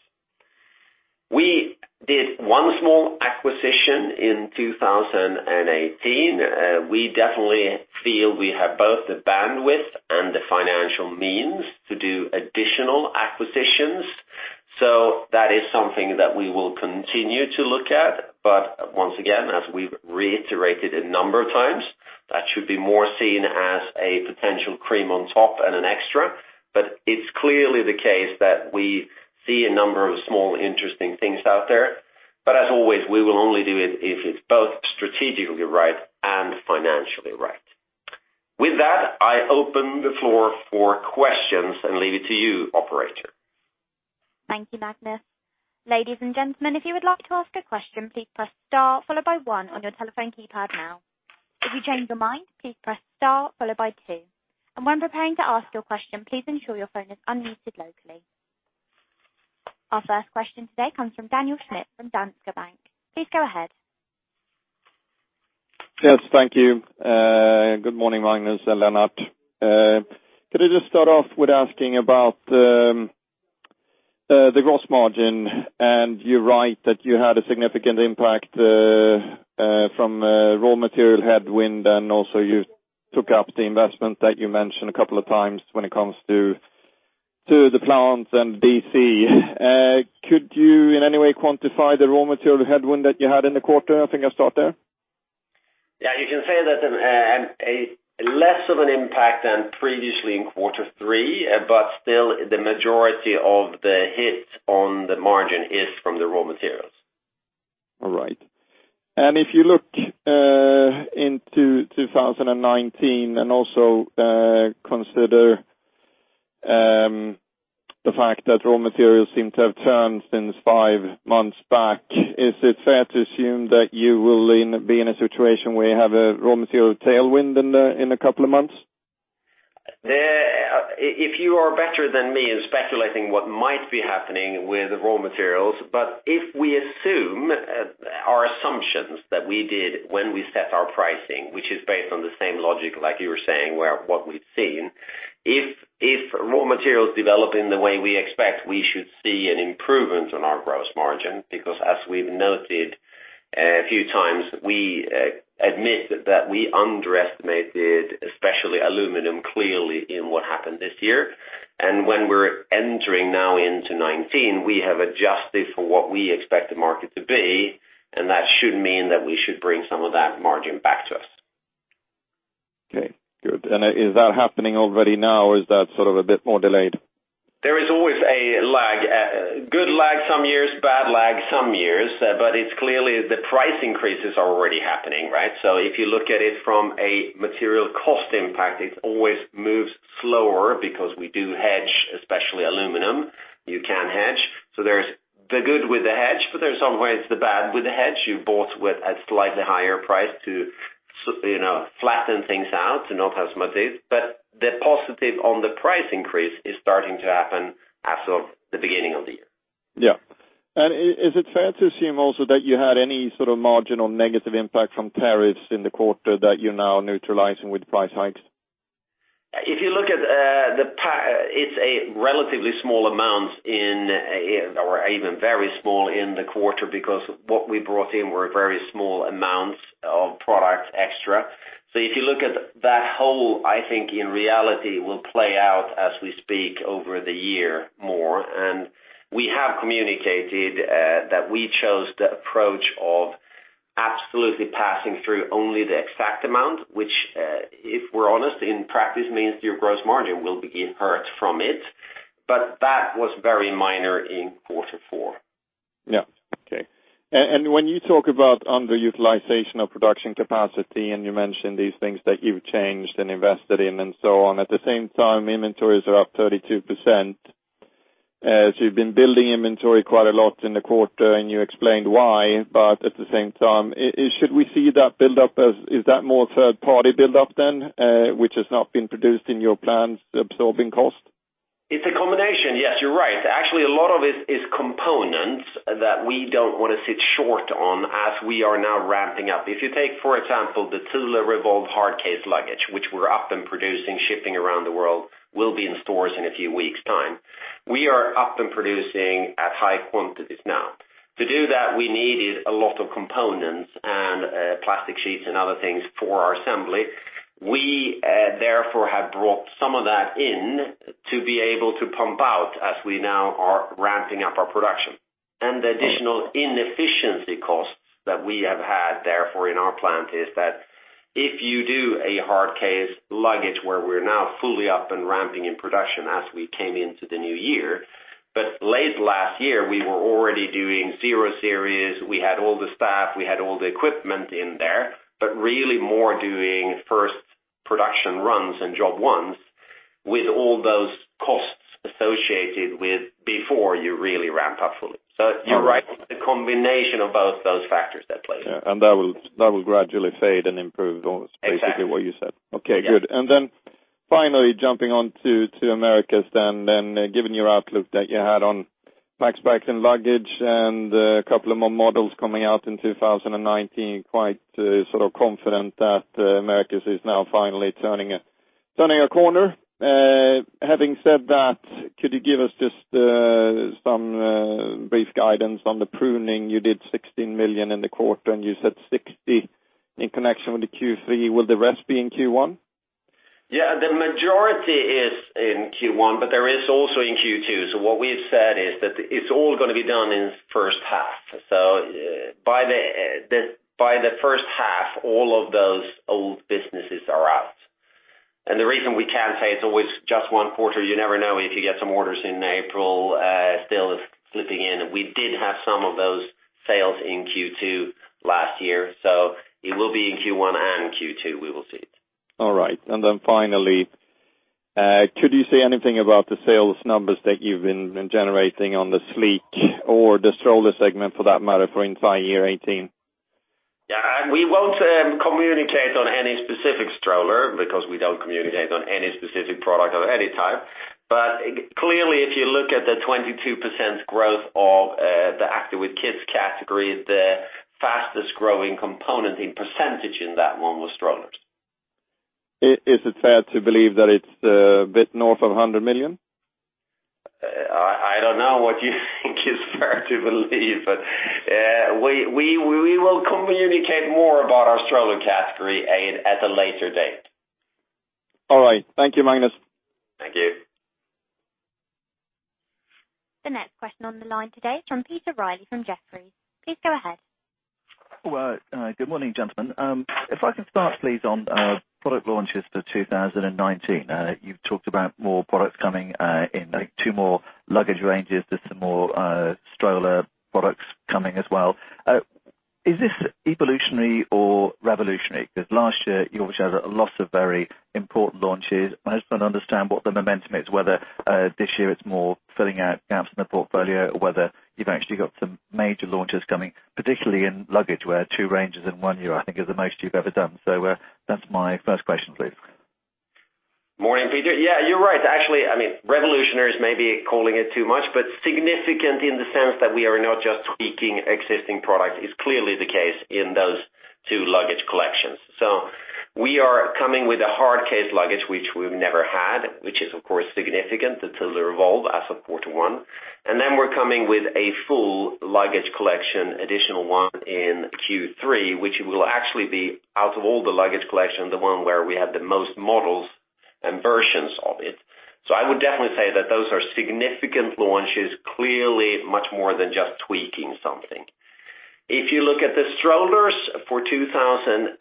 Speaker 2: We did one small acquisition in 2018. We definitely feel we have both the bandwidth and the financial means to do additional acquisitions. That is something that we will continue to look at. Once again, as we have reiterated a number of times, that should be more seen as a potential cream on top and an extra. It's clearly the case that we see a number of small interesting things out there. As always, we will only do it if it's both strategically right and financially right. With that, I open the floor for questions and leave it to you, operator.
Speaker 1: Thank you, Magnus. Ladies and gentlemen, if you would like to ask a question, please press star followed by one on your telephone keypad now. If you change your mind, please press star followed by two. When preparing to ask your question, please ensure your phone is unmuted locally. Our first question today comes from Daniel Schmidt from Danske Bank. Please go ahead.
Speaker 4: Yes, thank you. Good morning, Magnus and Lennart. Could I just start off with asking about the gross margin? You're right that you had a significant impact from raw material headwind, and also you took up the investment that you mentioned a couple of times when it comes to the plants and DC. Could you in any way quantify the raw material headwind that you had in the quarter? I think I'll start there.
Speaker 2: Yeah, you can say that a less of an impact than previously in quarter three, but still the majority of the hit on the margin is from the raw materials.
Speaker 4: All right. If you look into 2019 and also consider the fact that raw materials seem to have turned since five months back, is it fair to assume that you will be in a situation where you have a raw material tailwind in a couple of months?
Speaker 2: If you are better than me in speculating what might be happening with raw materials. If we assume our assumptions that we did when we set our pricing, which is based on the same logic like you were saying, where what we've seen. If raw materials develop in the way we expect, we should see an improvement on our gross margin because as we've noted a few times, we admit that we underestimated, especially aluminum, clearly in what happened this year. When we're entering now into 2019, we have adjusted for what we expect the market to be, and that should mean that we should bring some of that margin back to us.
Speaker 4: Okay, good. Is that happening already now, or is that sort of a bit more delayed?
Speaker 2: There is always a lag. Good lag some years, bad lag some years. It's clearly the price increases are already happening, right? If you look at it from a material cost impact, it always moves slower because we do hedge, especially aluminum, you can hedge. There's the good with the hedge, but there's some ways the bad with the hedge, you bought with a slightly higher price to flatten things out to not have as much of this. The positive on the price increase is starting to happen as of the beginning of the year.
Speaker 4: Yeah. Is it fair to assume also that you had any sort of marginal negative impact from tariffs in the quarter that you're now neutralizing with price hikes?
Speaker 2: If you look at the, it's a relatively small amount in, or even very small in the quarter because what we brought in were very small amounts of product extra. If you look at that whole, I think in reality will play out as we speak over the year more. We have communicated that we chose the approach of absolutely passing through only the exact amount. Which if we're honest in practice means your gross margin will be hurt from it. That was very minor in quarter four.
Speaker 4: Yeah. Okay. When you talk about underutilization of production capacity, and you mentioned these things that you've changed and invested in and so on. At the same time, inventories are up 32%. You've been building inventory quite a lot in the quarter, and you explained why, but at the same time, should we see that build-up as more third-party build-up then, which has not been produced in your plants absorbing cost?
Speaker 2: It's a combination. Yes, you're right. Actually, a lot of it is components that we don't want to sit short on as we are now ramping up. If you take, for example, the Thule Revolve hard case luggage, which we're up and producing, shipping around the world, will be in stores in a few weeks' time. We are up and producing at high quantities now. To do that, we needed a lot of components and plastic sheets and other things for our assembly. We, therefore, have brought some of that in to be able to pump out as we now are ramping up our production. The additional inefficiency costs that we have had, therefore, in our plant is that if you do a hard case luggage, where we're now fully up and ramping in production as we came into the new year, but late last year, we were already doing zero series. We had all the staff, we had all the equipment in there, but really more doing first production runs and job ones with all those costs associated with before you really ramp up fully.
Speaker 4: All right.
Speaker 2: You're right, it's a combination of both those factors at play.
Speaker 4: Yeah. That will gradually fade and improve.
Speaker 2: Exactly
Speaker 4: Basically what you said.
Speaker 2: Yeah.
Speaker 4: Okay, good. Finally jumping on to Americas then, given your outlook that you had on Packs, Bags and luggage and a couple of more models coming out in 2019, quite sort of confident that Americas is now finally turning a corner. Having said that, could you give us just some brief guidance on the pruning? You did 16 million in the quarter, and you said 60 million in connection with the Q3. Will the rest be in Q1?
Speaker 2: The majority is in Q1, there is also in Q2. What we've said is that it's all going to be done in the first half. By the first half, all of those old businesses are out. The reason we can't say it's always just one quarter, you never know if you get some orders in April still is slipping in. We did have some of those sales in Q2 last year, it will be in Q1 and Q2, we will see it.
Speaker 4: All right. Finally, could you say anything about the sales numbers that you've been generating on the Sleek or the stroller segment for that matter, for entire year 2018?
Speaker 2: We won't communicate on any specific stroller because we don't communicate on any specific product of any type. Clearly, if you look at the 22% growth of the Active with Kids category, the fastest-growing component in percentage in that one was strollers.
Speaker 4: Is it fair to believe that it's a bit north of 100 million?
Speaker 2: I don't know what you think is fair to believe, but we will communicate more about our stroller category at a later date.
Speaker 4: All right. Thank you, Magnus.
Speaker 2: Thank you.
Speaker 1: The next question on the line today from Peter Reilly from Jefferies. Please go ahead.
Speaker 5: Well, good morning, gentlemen. If I can start please, on product launches for 2019. You've talked about more products coming in, like two more luggage ranges, there's some more stroller products coming as well. Is this evolutionary or revolutionary? Last year you also had a lot of very important launches. I just don't understand what the momentum is, whether this year it's more filling out gaps in the portfolio or whether you've actually got some major launches coming, particularly in luggage, where two ranges in one year, I think, is the most you've ever done. That's my first question, please.
Speaker 2: Morning, Peter. Yeah, you're right, actually. I mean revolutionary is maybe calling it too much, but significant in the sense that we are not just tweaking existing products is clearly the case in those two luggage collections. We are coming with a hard case luggage, which we've never had, which is of course significant, the Thule Revolve as of quarter one. We're coming with a full luggage collection, additional one in Q3, which will actually be out of all the luggage collection, the one where we have the most models and versions of it. I would definitely say that those are significant launches, clearly much more than just tweaking something. If you look at the strollers for 2019,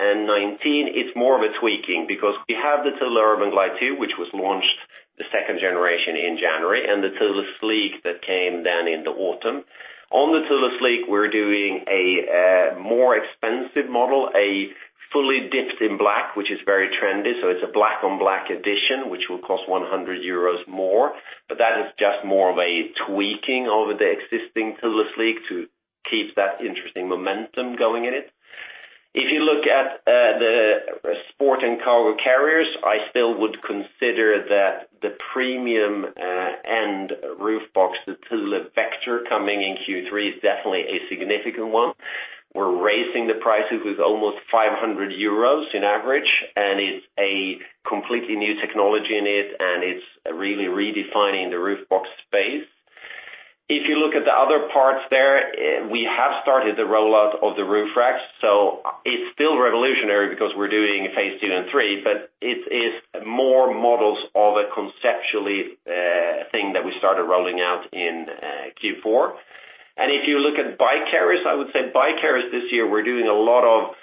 Speaker 2: it's more of a tweaking we have the Thule Urban Glide 2, which was launched the second generation in January, and the Thule Sleek that came in the autumn. On the Thule Sleek, we're doing a more expensive model, a fully dipped in black, which is very trendy, it's a black-on-black edition, which will cost 100 euros more. That is just more of a tweaking of the existing Thule Sleek to keep that interesting momentum going in it. If you look at the Sport & Cargo Carriers, I still would consider that the premium and roof box, the Thule Vector coming in Q3 is definitely a significant one. We're raising the prices with almost 500 euros in average, and it's a completely new technology in it, and it's really redefining the roof box space. If you look at the other parts there, we have started the rollout of the roof racks. It's still revolutionary because we're doing phase two and three, but it is more models of a conceptually thing that we started rolling out in Q4. If you look at bike carriers, I would say bike carriers this year, we're doing a lot of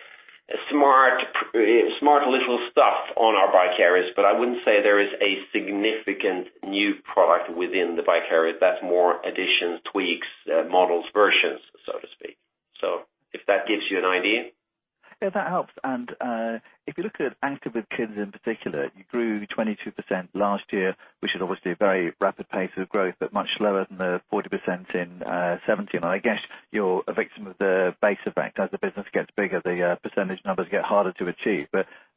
Speaker 2: smart little stuff on our bike carriers, but I wouldn't say there is a significant new product within the bike carrier that's more additions, tweaks, models, versions, so to speak. If that gives you an idea.
Speaker 5: Yeah, that helps. If you look at Active with Kids in particular, you grew 22% last year, which is obviously a very rapid pace of growth, but much slower than the 40% in 2017. I guess you're a victim of the base effect. As the business gets bigger, the percentage numbers get harder to achieve.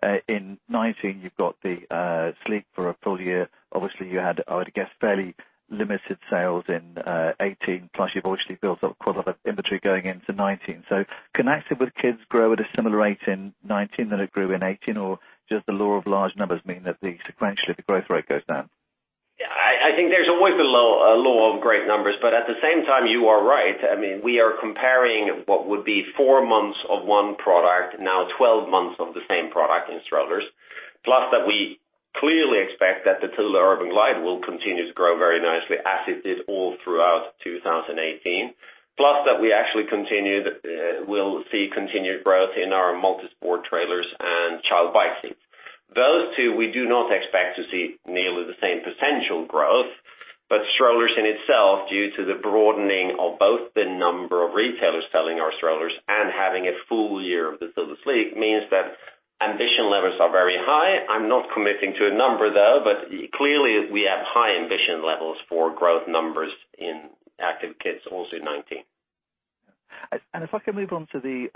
Speaker 5: In 2019, you've got the Sleek for a full year. Obviously, you had, I would guess, fairly limited sales in 2018, plus you've obviously built quite a lot of inventory going into 2019. Can Active with Kids grow at a similar rate in 2019 than it grew in 2018? Does the law of large numbers mean that sequentially the growth rate goes down?
Speaker 2: Yeah, I think there's always a law of great numbers, but at the same time, you are right. We are comparing what would be four months of one product, now 12 months of the same product in strollers. We clearly expect that the Thule Urban Glide will continue to grow very nicely as it did all throughout 2018. We actually will see continued growth in our multi-sport trailers and child bike seats. Those two, we do not expect to see nearly the same potential growth. Strollers in itself, due to the broadening of both the number of retailers selling our strollers and having a full year of the Thule Sleek, means that ambition levels are very high. I'm not committing to a number, though. Clearly, we have high ambition levels for growth numbers in Active with Kids also in 2019.
Speaker 5: If I can move on to the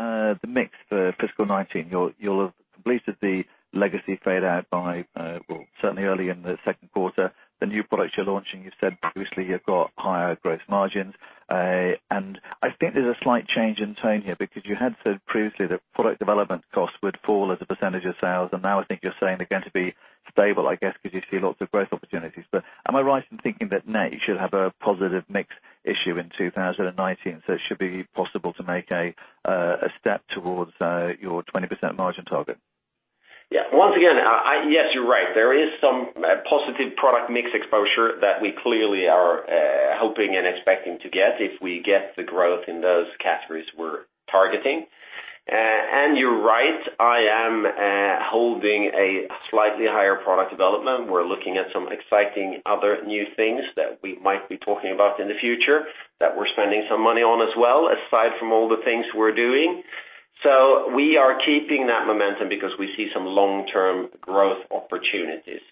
Speaker 5: mix for fiscal 2019, you'll have completed the legacy fade-out by, well, certainly early in the second quarter. The new products you're launching, you said previously you've got higher gross margins. I think there's a slight change in tone here because you had said previously that product development costs would fall as a percentage of sales, and now I think you're saying they're going to be stable, I guess, because you see lots of growth opportunities. Am I right in thinking that now you should have a positive mix issue in 2019, so it should be possible to make a step towards your 20% margin target?
Speaker 2: Yeah. Once again, yes, you're right. There is some positive product mix exposure that we clearly are hoping and expecting to get if we get the growth in those categories we're targeting. You're right, I am holding a slightly higher product development. We're looking at some exciting other new things that we might be talking about in the future that we're spending some money on as well, aside from all the things we're doing. We are keeping that momentum because we see some long-term growth opportunities.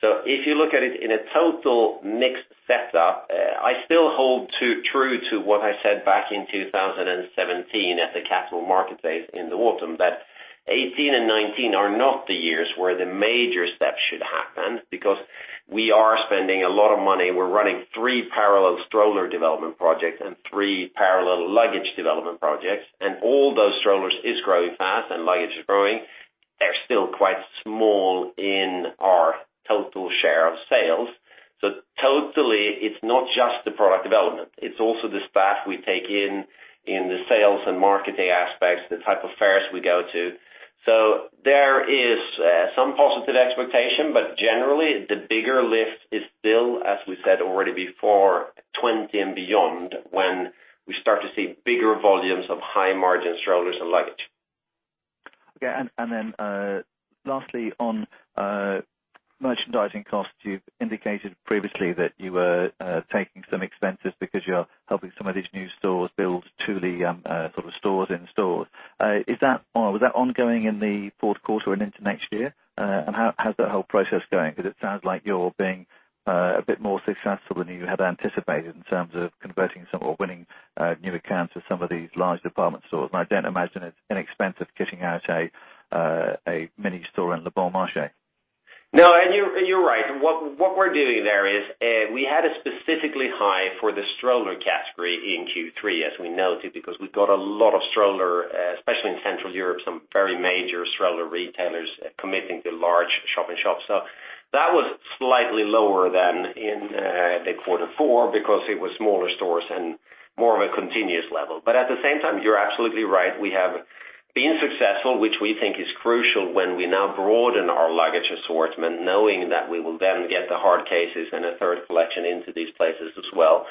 Speaker 2: If you look at it in a total mix setup, I still hold true to what I said back in 2017 at the Capital Market Day in the autumn, that 2018 and 2019 are not the years where the major steps should happen because we are spending a lot of money. We're running three parallel stroller development projects and three parallel luggage development projects. All those strollers is growing fast, and luggage is growing. They're still quite small in our total share of sales. Totally, it's not just the product development, it's also the staff we take in the sales and marketing aspects, the type of fairs we go to. There is some positive expectation, but generally, the bigger lift is still, as we said already before, 2020 and beyond, when we start to see bigger volumes of high-margin strollers and luggage.
Speaker 5: Lastly, on merchandising costs. You've indicated previously that you were taking some expenses because you're helping some of these new stores build Thule sort of stores in stores. Was that ongoing in the fourth quarter and into next year? How's that whole process going? Because it sounds like you're being a bit more successful than you had anticipated in terms of converting some or winning new accounts with some of these large department stores. I don't imagine it's inexpensive kitting out a mini store in Le Bon Marché.
Speaker 2: No, you're right. What we're doing there is, we had a specifically high for the stroller category in Q3, as we noted, because we got a lot of stroller, especially in Central Europe, some very major stroller retailers committing to large shop-in-shops. That was slightly lower than in the quarter four because it was smaller stores and more of a continuous level. At the same time, you're absolutely right. We have been successful, which we think is crucial when we now broaden our luggage assortment, knowing that we will then get the hard cases and a third collection into these places as well.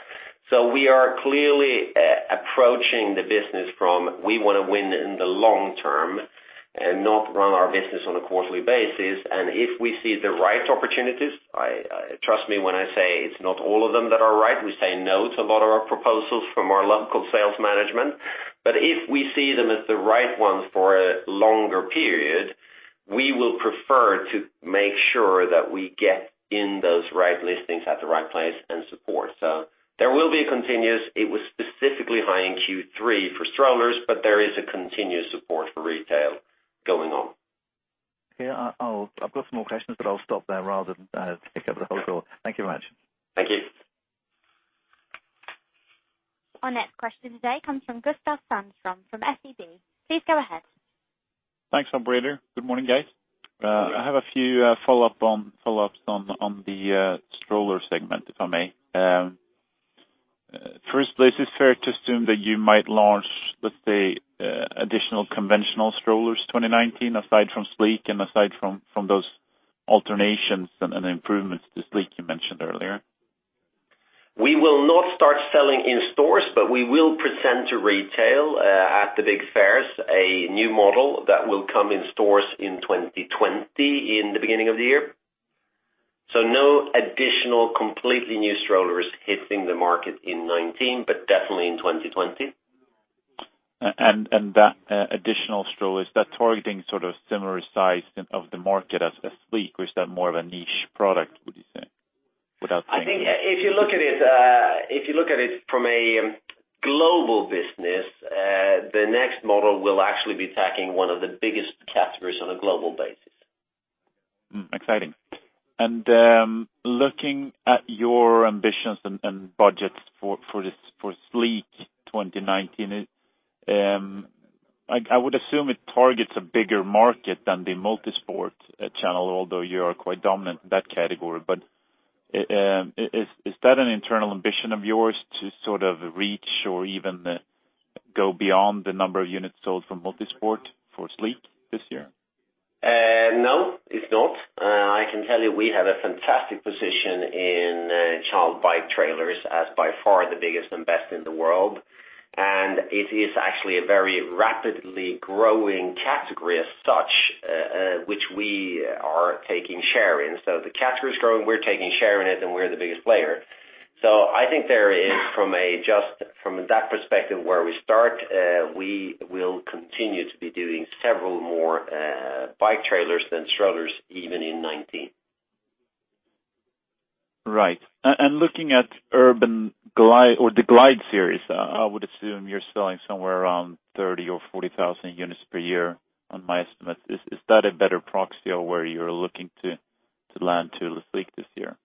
Speaker 2: We are clearly approaching the business from, we want to win in the long term and not run our business on a quarterly basis. If we see the right opportunities, trust me when I say it's not all of them that are right. We say no to a lot of our proposals from our local sales management. If we see them as the right ones for a longer period, we will prefer to make sure that we get in those right listings at the right place and support. There will be a continuous, it was specifically high in Q3 for strollers, but there is a continuous support for retail going on.
Speaker 5: Okay. I've got some more questions, but I'll stop there rather than take up the whole call. Thank you very much.
Speaker 2: Thank you.
Speaker 1: Our next question today comes from Gustav Hagéus from SEB. Please go ahead.
Speaker 6: Thanks, operator. Good morning, guys.
Speaker 2: Good morning.
Speaker 6: I have a few follow-ups on the stroller segment, if I may. First, is it fair to assume that you might launch, let's say, additional conventional strollers 2019, aside from Sleek and aside from those alternations and improvements to Sleek you mentioned earlier?
Speaker 2: We will not start selling in stores, but we will present to retail, at the big fairs, a new model that will come in stores in 2020 in the beginning of the year. No additional completely new strollers hitting the market in 2019, but definitely in 2020.
Speaker 6: That additional stroller, is that targeting similar size of the market as Sleek, or is that more of a niche product, would you say?
Speaker 2: I think if you look at it from a global business, the next model will actually be attacking one of the biggest categories on a global basis.
Speaker 6: Exciting. Looking at your ambitions and budgets for Sleek 2019, I would assume it targets a bigger market than the multisport channel, although you are quite dominant in that category. Is that an internal ambition of yours to sort of reach or even go beyond the number of units sold for multisport for Sleek this year?
Speaker 2: No, it's not. I can tell you we have a fantastic position in child bike trailers as by far the biggest and best in the world, it is actually a very rapidly growing category as such, which we are taking share in. The category is growing, we're taking share in it, and we're the biggest player. I think there is from that perspective where we start, we will continue to be doing several more bike trailers than strollers even in 2019.
Speaker 6: Looking at Urban Glide or the Glide series, I would assume you're selling somewhere around 30,000 or 40,000 units per year on my estimate. Is that a better proxy of where you're looking to land Thule Sleek this year?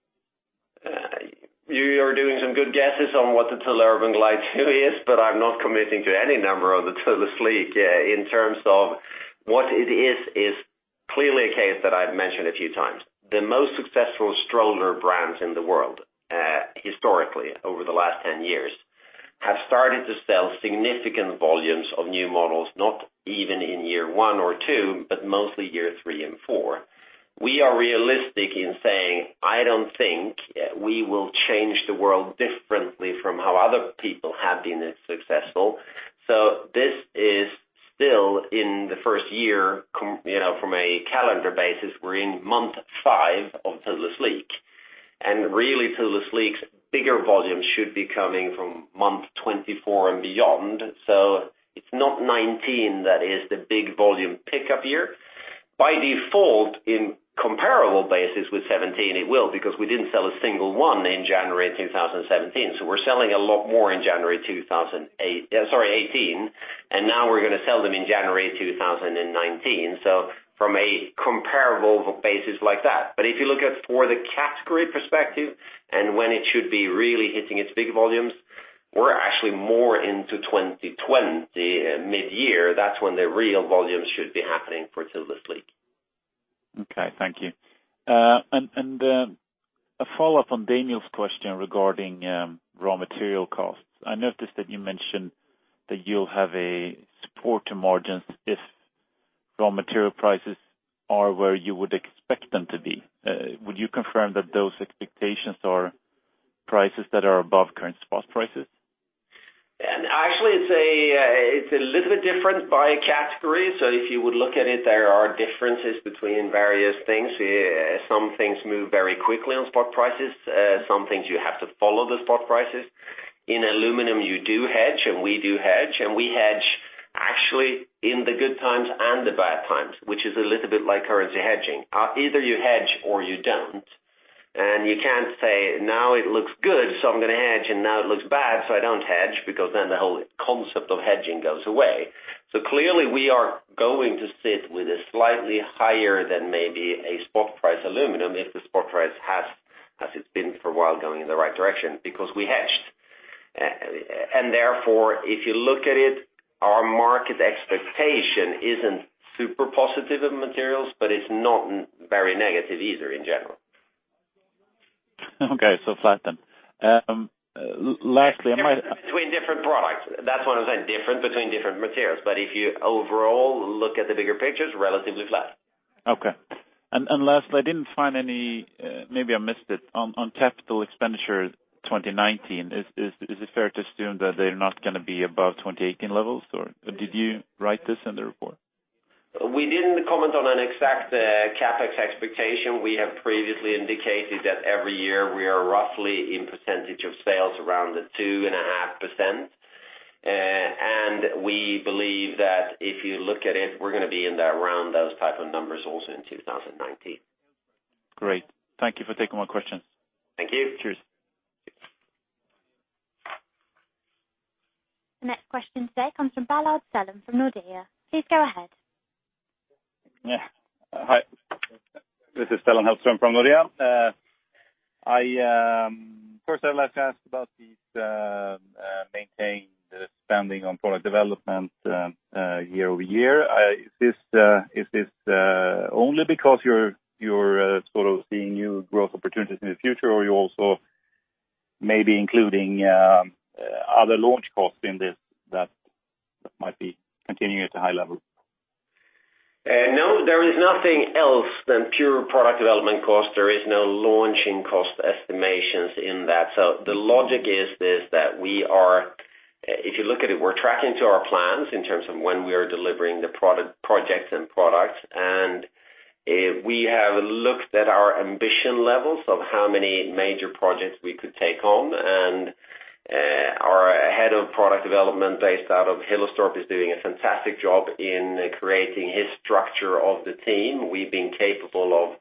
Speaker 2: You are doing some good guesses on what the Thule Urban Glide 2 is, I'm not committing to any number on the Thule Sleek. In terms of what it is clearly a case that I've mentioned a few times. The most successful stroller brands in the world historically, over the last 10 years, have started to sell significant volumes of new models, not even in year one or two, but mostly year three and four. We are realistic in saying, I don't think we will change the world differently from how other people have been successful. This is still in the first year, from a calendar basis, we're in month five of Thule Sleek. Really Thule Sleek's bigger volume should be coming from month 24 and beyond. It's not 2019 that is the big volume pickup year. By default, in comparable basis with 2017, it will, because we didn't sell a single one in January 2017. We're selling a lot more in January 2018, and now we're going to sell them in January 2019. From a comparable basis like that. If you look at for the category perspective and when it should be really hitting its big volumes, we're actually more into 2020 mid-year. That's when the real volumes should be happening for Thule Sleek.
Speaker 6: Okay, thank you. A follow-up on Daniel's question regarding raw material costs. I noticed that you mentioned that you'll have a support to margins if raw material prices are where you would expect them to be. Would you confirm that those expectations are prices that are above current spot prices?
Speaker 2: Actually, it's a little bit different by category. If you would look at it, there are differences between various things. Some things move very quickly on spot prices. Some things you have to follow the spot prices. In aluminum, you do hedge, and we do hedge. We hedge actually in the good times and the bad times, which is a little bit like currency hedging. Either you hedge or you don't. You can't say, "Now it looks good, so I'm going to hedge, and now it looks bad, so I don't hedge," because then the whole concept of hedging goes away. Clearly we are going to sit with a slightly higher than maybe a spot price aluminum if the spot price has, as it's been for a while, going in the right direction because we hedged. Therefore, if you look at it, our market expectation isn't super positive of materials, but it's not very negative either in general.
Speaker 6: Okay, flat then.
Speaker 2: Between different products. That's what I'm saying, different between different materials. If you overall look at the bigger pictures, relatively flat.
Speaker 6: Okay. Lastly, I didn't find any, maybe I missed it, on capital expenditure 2019. Is it fair to assume that they're not going to be above 2018 levels, or did you write this in the report?
Speaker 2: We didn't comment on an exact CapEx expectation. We have previously indicated that every year we are roughly in percentage of sales around the 2.5%. We believe that if you look at it, we're going to be in around those type of numbers also in 2019.
Speaker 6: Great. Thank you for taking my questions.
Speaker 2: Thank you.
Speaker 6: Cheers.
Speaker 1: The next question today comes from Agnieszka Vilela from Nordea. Please go ahead.
Speaker 7: Hi. This is Sara Selin from Nordea. First I'd like to ask about these maintained spending on product development year-over-year. Is this only because you're sort of seeing new growth opportunities in the future or you're also maybe including other launch costs in this that might be continuing at a high level?
Speaker 2: There is nothing else than pure product development cost. There is no launching cost estimations in that. The logic is this, that if you look at it, we're tracking to our plans in terms of when we are delivering the projects and products. We have looked at our ambition levels of how many major projects we could take on, and our head of product development based out of Hillerstorp is doing a fantastic job in creating his structure of the team. We've been capable of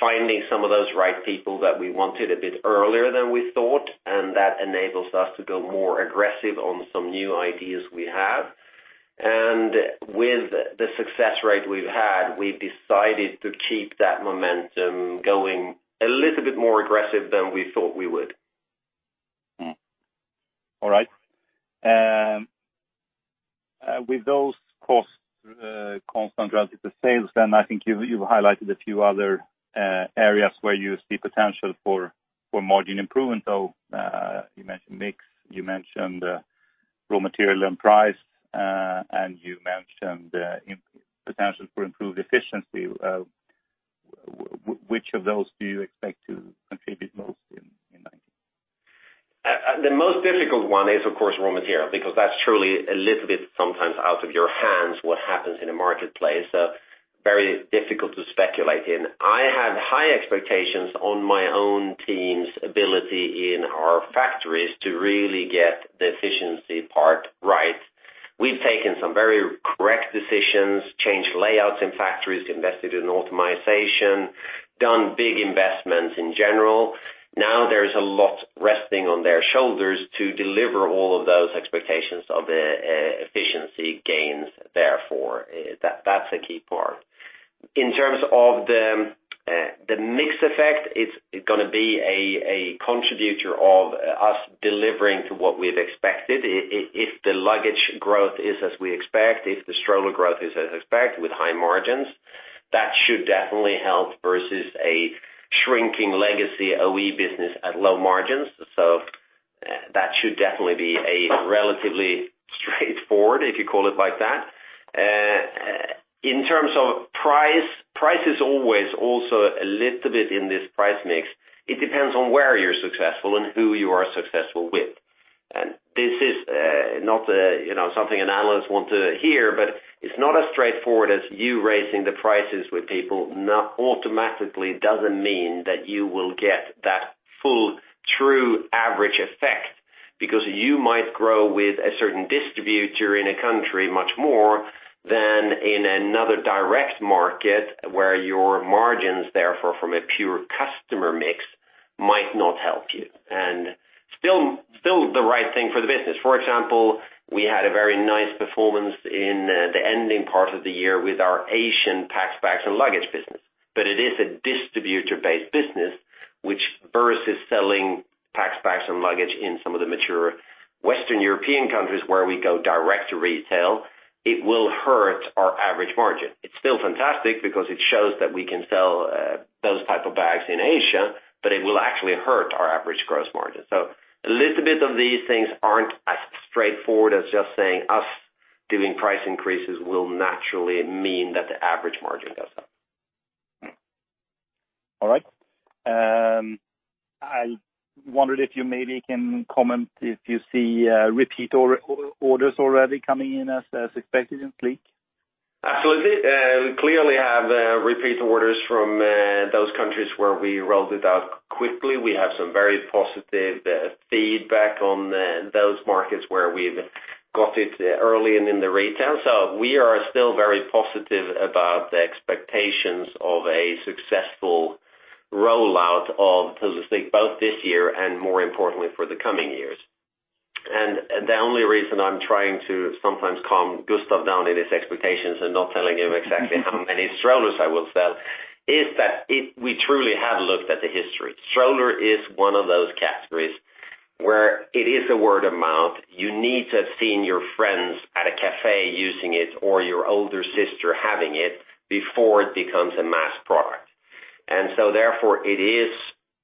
Speaker 2: finding some of those right people that we wanted a bit earlier than we thought, and that enables us to go more aggressive on some new ideas we have. With the success rate we've had, we've decided to keep that momentum going a little bit more aggressive than we thought we would.
Speaker 7: All right. With those costs constant relative to sales, I think you've highlighted a few other areas where you see potential for margin improvement, though. You mentioned mix, you mentioned raw material and price, and you mentioned the potential for improved efficiency. Which of those do you expect to contribute most in 2019?
Speaker 2: The most difficult one is, of course, raw material, because that's truly a little bit sometimes out of your hands, what happens in a marketplace. Very difficult to speculate in. I have high expectations on my own team's ability in our factories to really get the efficiency part right. We've taken some very correct decisions, changed layouts in factories, invested in optimization, done big investments in general. Now there's a lot resting on their shoulders to deliver all of those expectations of efficiency gains, therefore. That's a key part. In terms of the mix effect, it's going to be a contributor of us delivering to what we've expected. If the luggage growth is as we expect, if the stroller growth is as expected with high margins, that should definitely help versus a shrinking legacy OE business at low margins. That should definitely be a relatively straightforward, if you call it like that. In terms of price is always also a little bit in this price mix. It depends on where you're successful and who you are successful with. This is not something an analyst want to hear, but it's not as straightforward as you raising the prices with people automatically doesn't mean that you will get that full true average effect, because you might grow with a certain distributor in a country much more than in another direct market where your margins, therefore, from a pure customer mix, might not help you, and still the right thing for the business. For example, we had a very nice performance in the ending part of the year with our Asian Packs, Bags, and Luggage business. It is a distributor-based business, which versus selling Packs, Bags, and Luggage in some of the mature Western European countries where we go direct to retail, it will hurt our average margin. It's still fantastic because it shows that we can sell those type of bags in Asia, but it will actually hurt our average gross margin. A little bit of these things aren't as straightforward as just saying us doing price increases will naturally mean that the average margin goes up.
Speaker 7: All right. I wondered if you maybe can comment if you see repeat orders already coming in as expected in Sleek?
Speaker 2: Absolutely. We clearly have repeat orders from those countries where we rolled it out quickly. We have some very positive feedback on those markets where we've got it early and in the retail. We are still very positive about the expectations of a successful rollout of Thule Sleek both this year and, more importantly, for the coming years. The only reason I'm trying to sometimes calm Gustav down in his expectations and not telling him exactly how many strollers I will sell is that we truly have looked at the history. Stroller is one of those categories where it is a word-of-mouth. You need to have seen your friends at a cafe using it or your older sister having it before it becomes a mass product. Therefore, it is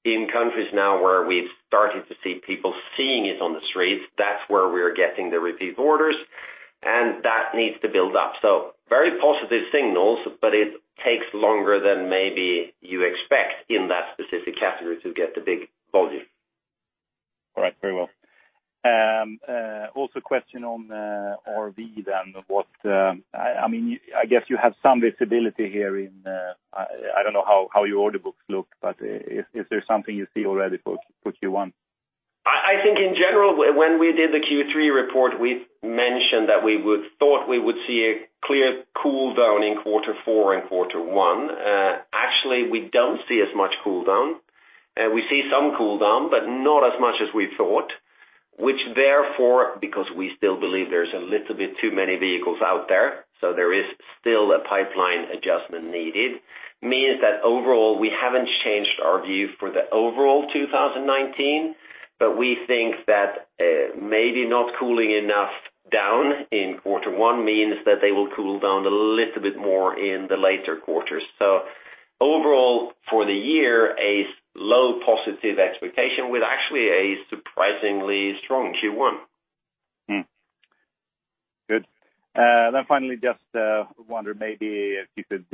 Speaker 2: in countries now where we've started to see people seeing it on the streets. That's where we are getting the repeat orders, and that needs to build up. Very positive signals, but it takes longer than maybe you expect in that specific category to get the big volume.
Speaker 7: All right. Very well. Question on RV then. I don't know how your order books look, but is there something you see already for Q1?
Speaker 2: In general, when we did the Q3 report, we mentioned that we would thought we would see a clear cool down in quarter four and quarter one. Actually, we don't see as much cool down. We see some cool down, but not as much as we thought, which therefore, because we still believe there's a little bit too many vehicles out there, so there is still a pipeline adjustment needed, means that overall, we haven't changed our view for the overall 2019, but we think that maybe not cooling enough down in quarter one means that they will cool down a little bit more in the later quarters. Overall, for the year, a low positive expectation with actually a surprisingly strong Q1.
Speaker 7: Good. Finally, just wonder maybe if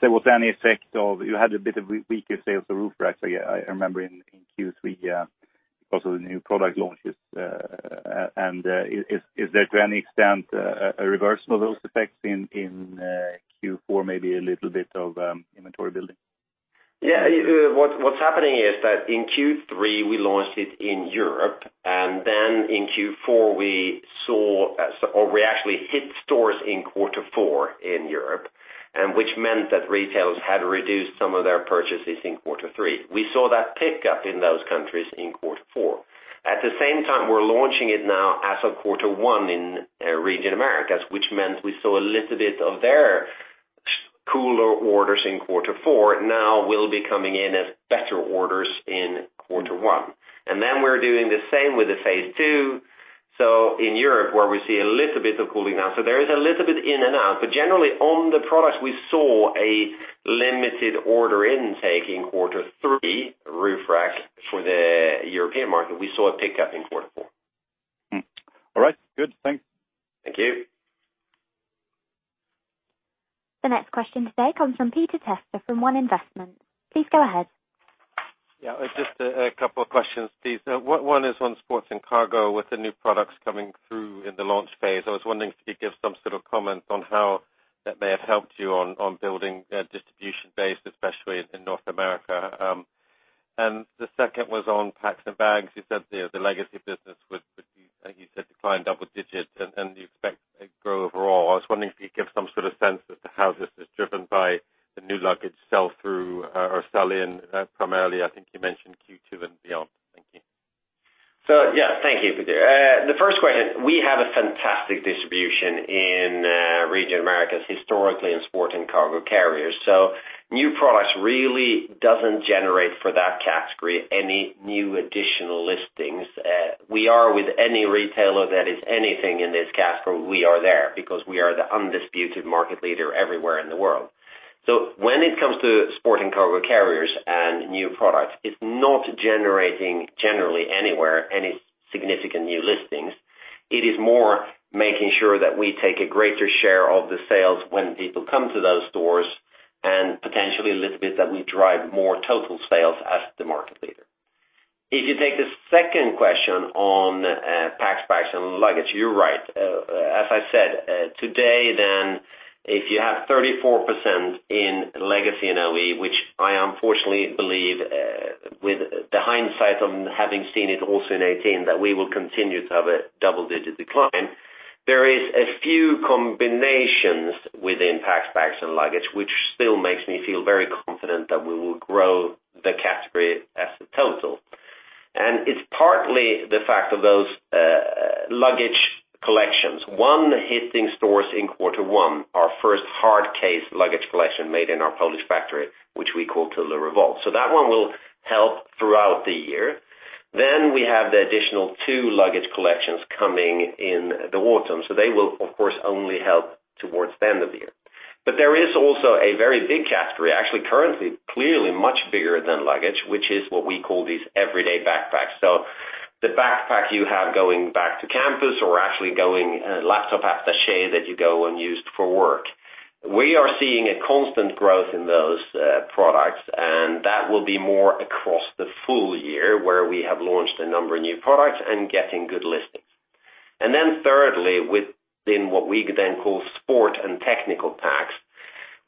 Speaker 7: there was any effect of, you had a bit of weaker sales of roof racks, I remember in Q3 because of the new product launches. Is there, to any extent, a reversal of those effects in Q4, maybe a little bit of inventory building?
Speaker 2: What's happening is that in Q3 we launched it in Europe, in Q4 we saw, or we actually hit stores in quarter four in Europe. Which meant that retailers had reduced some of their purchases in quarter three. We saw that pick up in those countries in quarter four. At the same time, we're launching it now as of quarter one in region Americas, which meant we saw a little bit of their cooler orders in quarter four now will be coming in as better orders in quarter one. We're doing the same with the phase two, so in Europe where we see a little bit of cooling now. There is a little bit in and out, but generally on the products we saw a limited order intake in quarter three, roof racks for the European market, we saw a pickup in quarter four.
Speaker 7: All right, good. Thanks.
Speaker 2: Thank you.
Speaker 1: The next question today comes from Peter Tester from One Investment. Please go ahead.
Speaker 8: Yeah, just a couple of questions, please. One is on Sport & Cargo with the new products coming through in the launch phase. I was wondering if you could give some sort of comment on how that may have helped you on building a distribution base, especially in North America. The second was on Packs & Bags. You said the legacy business would, you said decline double digits and you expect it grow overall. I was wondering if you could give some sort of sense as to how this is driven by the new luggage sell-through or sell-in primarily, I think you mentioned Q2 and beyond. Thank you.
Speaker 2: Yeah, thank you, Peter. The first question, we have a fantastic distribution in region Americas, historically in Sport & Cargo Carriers. New products really doesn't generate for that category any new additional listings. We are with any retailer that is anything in this category, we are there because we are the undisputed market leader everywhere in the world. When it comes to Sport & Cargo Carriers and new products, it's not generating generally anywhere, any significant new listings. It is more making sure that we take a greater share of the sales when people come to those stores, and potentially a little bit that we drive more total sales as the market leader. If you take the second question on Packs, Bags & Luggage, you're right. As I said, today if you have 34% in legacy and OE, which I unfortunately believe with the hindsight on having seen it also in 2018, that we will continue to have a double-digit decline. There is a few combinations within Packs, Bags & Luggage, which still makes me feel very confident that we will grow the category as a total. It's partly the fact of those luggage collections. One hitting stores in quarter one, our first hard case luggage collection made in our Polish factory, which we call Thule Revolve. That one will help throughout the year. Then we have the additional two luggage collections coming in the autumn, they will of course only help towards the end of the year. But there is also a very big category, actually currently, clearly much bigger than luggage, which is what we call these everyday backpacks. The backpack you have going back to campus or laptop attaché that you go and use for work. We are seeing a constant growth in those products, and that will be more across the full year where we have launched a number of new products and getting good listings. Thirdly, within what we then call sport and technical packs,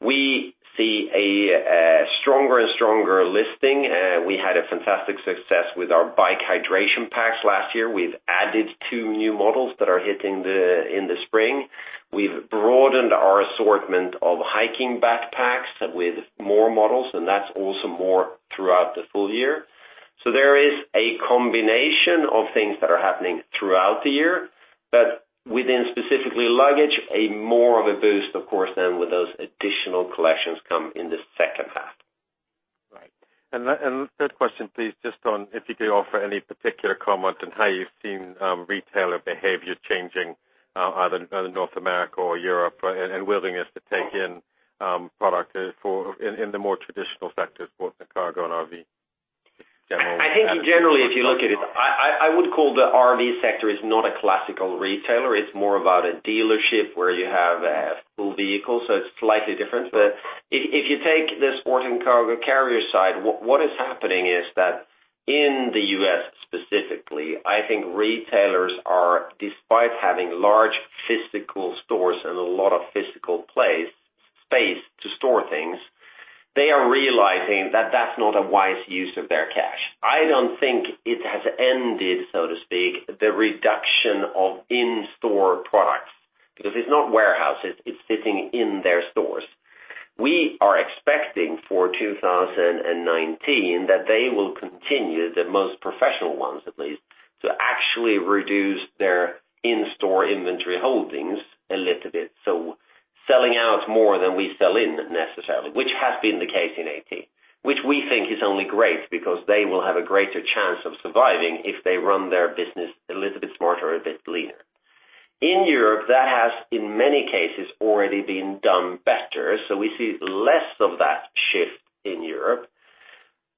Speaker 2: we see a stronger and stronger listing. We had a fantastic success with our bike hydration packs last year. We've added two new models that are hitting in the spring. We've broadened our assortment of hiking backpacks with more models, and that's also more throughout the full year. There is a combination of things that are happening throughout the year, but within specifically luggage, a more of a boost, of course, then with those additional collections come in the second half.
Speaker 8: Right. Third question, please, just on if you could offer any particular comment on how you've seen retailer behavior changing, either North America or Europe, and willingness to take in product in the more traditional sectors, both the cargo and RV. Generally-
Speaker 2: I think generally if you look at it, I would call the RV sector is not a classical retailer. It's more about a dealership where you have a full vehicle, it's slightly different. If you take the sport and cargo carrier side, what is happening is that in the U.S. specifically, I think retailers are, despite having large physical stores and a lot of physical space to store things, they are realizing that that's not a wise use of their cash. I don't think it has ended, so to speak, the reduction of in-store products, because it's not warehouses, it's sitting in their stores. We are expecting for 2019 that they will continue, the most professional ones at least, to actually reduce their in-store inventory holdings a little bit. Selling out more than we sell in, necessarily, which has been the case in 2018. Which we think is only great because they will have a greater chance of surviving if they run their business a little bit smarter, a bit leaner. In Europe, that has, in many cases, already been done better. We see less of that shift in Europe.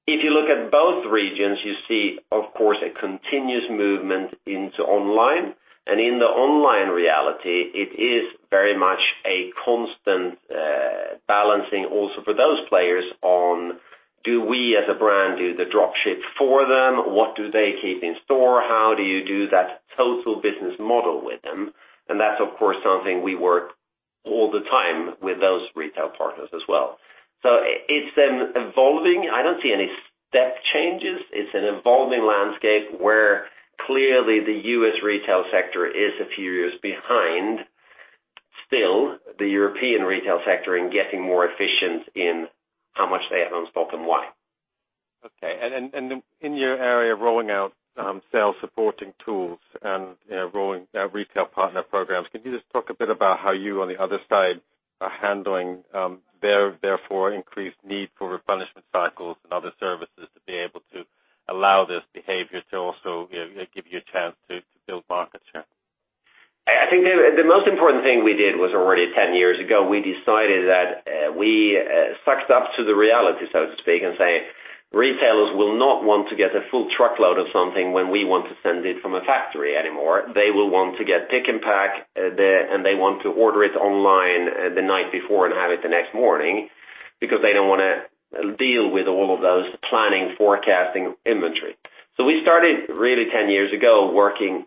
Speaker 2: If you look at both regions, you see, of course, a continuous movement into online. In the online reality, it is very much a constant balancing also for those players on, do we as a brand do the drop ship for them? What do they keep in store? How do you do that total business model with them? That's, of course, something we work all the time with those retail partners as well. It's been evolving. I don't see any step changes. It's an evolving landscape, where clearly the U.S. retail sector is a few years behind still the European retail sector in getting more efficient in how much they have on stock and why.
Speaker 8: Okay. In your area of rolling out sales supporting tools and rolling retail partner programs, can you just talk a bit about how you on the other side are handling their therefore increased need for replenishment cycles and other services to be able to allow this behavior to also give you a chance to build market share?
Speaker 2: I think the most important thing we did was already 10 years ago. We decided that we sucked up to the reality, so to speak, and say, retailers will not want to get a full truckload of something when we want to send it from a factory anymore. They will want to get pick and pack, and they want to order it online the night before and have it the next morning because they don't want to deal with all of those planning, forecasting inventory. We started really 10 years ago working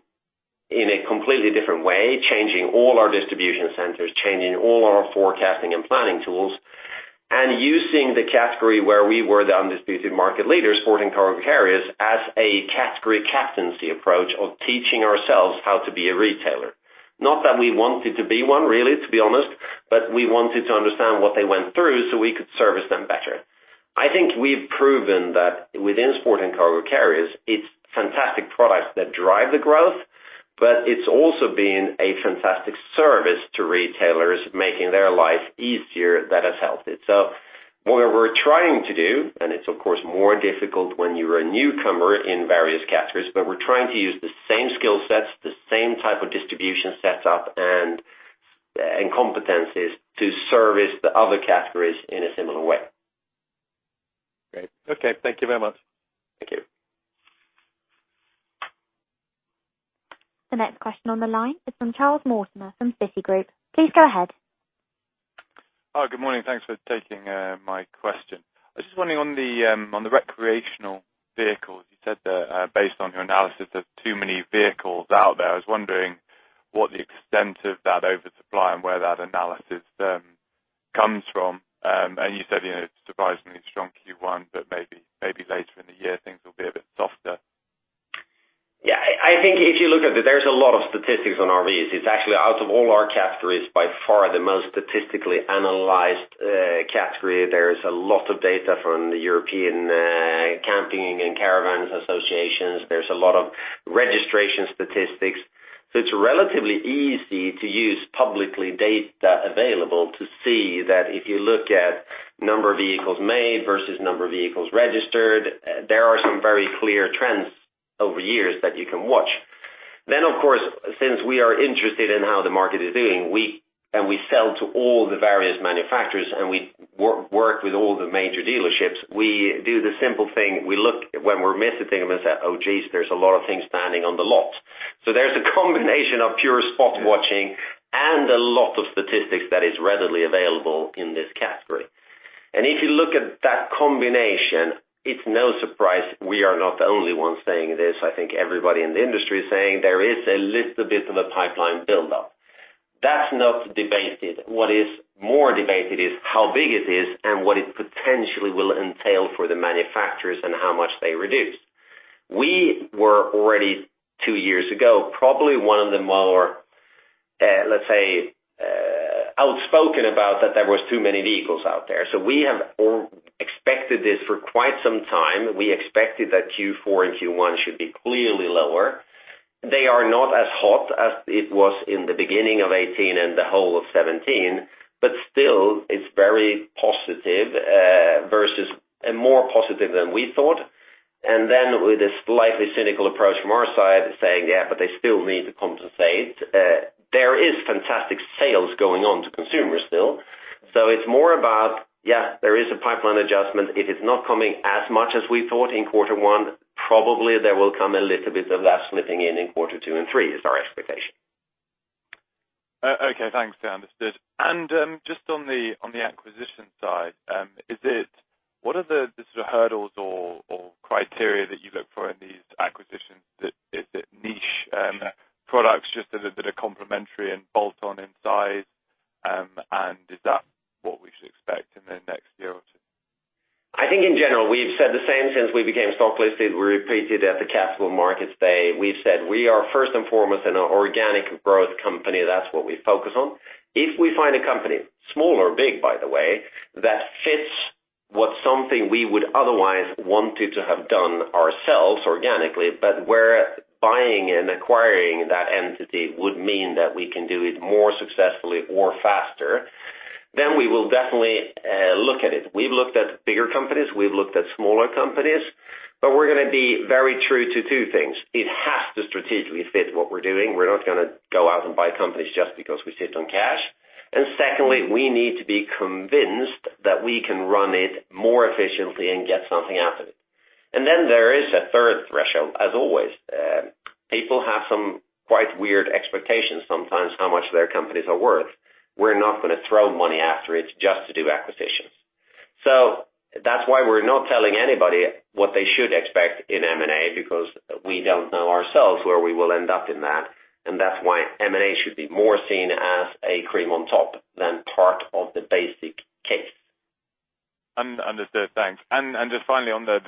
Speaker 2: in a completely different way, changing all our distribution centers, changing all our forecasting and planning tools, and using the category where we were the undisputed market leaders, Sport & Cargo Carriers, as a category captaincy approach of teaching ourselves how to be a retailer. Not that we wanted to be one, really, to be honest, but we wanted to understand what they went through so we could service them better. I think we've proven that within Sport & Cargo Carriers, it's fantastic products that drive the growth, but it's also been a fantastic service to retailers, making their life easier that has helped it. What we're trying to do, and it's of course more difficult when you're a newcomer in various categories, but we're trying to use the same skill sets, the same type of distribution setup, and competencies to service the other categories in a similar way.
Speaker 8: Great. Okay. Thank you very much.
Speaker 2: Thank you.
Speaker 1: The next question on the line is from Charlie Mortimer from Citigroup. Please go ahead.
Speaker 9: Hi, good morning. Thanks for taking my question. I was just wondering on the recreational vehicles, you said that based on your analysis of too many vehicles out there, I was wondering what the extent of that oversupply and where that analysis comes from. You said it's surprisingly strong Q1, but maybe later in the year things will be a bit softer.
Speaker 2: I think if you look at it, there's a lot of statistics on RVs. It's actually out of all our categories, by far the most statistically analyzed category. There is a lot of data from the European Camping and Caravans associations. There's a lot of registration statistics. It's relatively easy to use publicly data available to see that if you look at number of vehicles made versus number of vehicles registered, there are some very clear trends over years that you can watch. Of course, since we are interested in how the market is doing, and we sell to all the various manufacturers, and we work with all the major dealerships, we do the simple thing. We look when we're visiting them and say, oh, geez, there's a lot of things standing on the lot. There's a combination of pure spot watching and a lot of statistics that is readily available in this category. If you look at that combination, it's no surprise we are not the only ones saying this. I think everybody in the industry is saying there is a little bit of a pipeline buildup. That's not debated. What is more debated is how big it is and what it potentially will entail for the manufacturers and how much they reduce. We were already two years ago, probably one of the more, let's say, outspoken about that there was too many vehicles out there. We have expected this for quite some time. We expected that Q4 and Q1 should be clearly lower. They are not as hot as it was in the beginning of 2018 and the whole of 2017, but still, it's very positive and more positive than we thought. With a slightly cynical approach from our side saying, "Yeah, but they still need to compensate." There is fantastic sales going on to consumers still. It's more about, yes, there is a pipeline adjustment. It is not coming as much as we thought in quarter one. Probably there will come a little bit of that slipping in in quarter two and three is our expectation.
Speaker 9: Okay, thanks. Yeah, understood. Just on the acquisition side, what are the sort of hurdles or criteria that you look for in these acquisitions? Is it niche products just that are complementary and bolt-on in size? Is that what we should expect in the next year or two?
Speaker 2: I think in general, we've said the same since we became stock listed. We repeated at the capital markets day. We've said we are first and foremost an organic growth company. That's what we focus on. If we find a company, small or big, by the way, that fits something we would otherwise wanted to have done ourselves organically, but where buying and acquiring that entity would mean that we can do it more successfully or faster, then we will definitely look at it. We've looked at bigger companies. We've looked at smaller companies. We are going to be very true to two things. It has to strategically fit what we're doing. We're not going to go out and buy companies just because we sit on cash. Secondly, we need to be convinced that we can run it more efficiently and get something out of it. There is a third threshold, as always. People have some quite weird expectations sometimes how much their companies are worth. We're not going to throw money after it just to do acquisitions. That's why we're not telling anybody what they should expect in M&A, because we don't know ourselves where we will end up in that. That's why M&A should be more seen as a cream on top than part of the basic case.
Speaker 9: Understood. Thanks. Just finally on the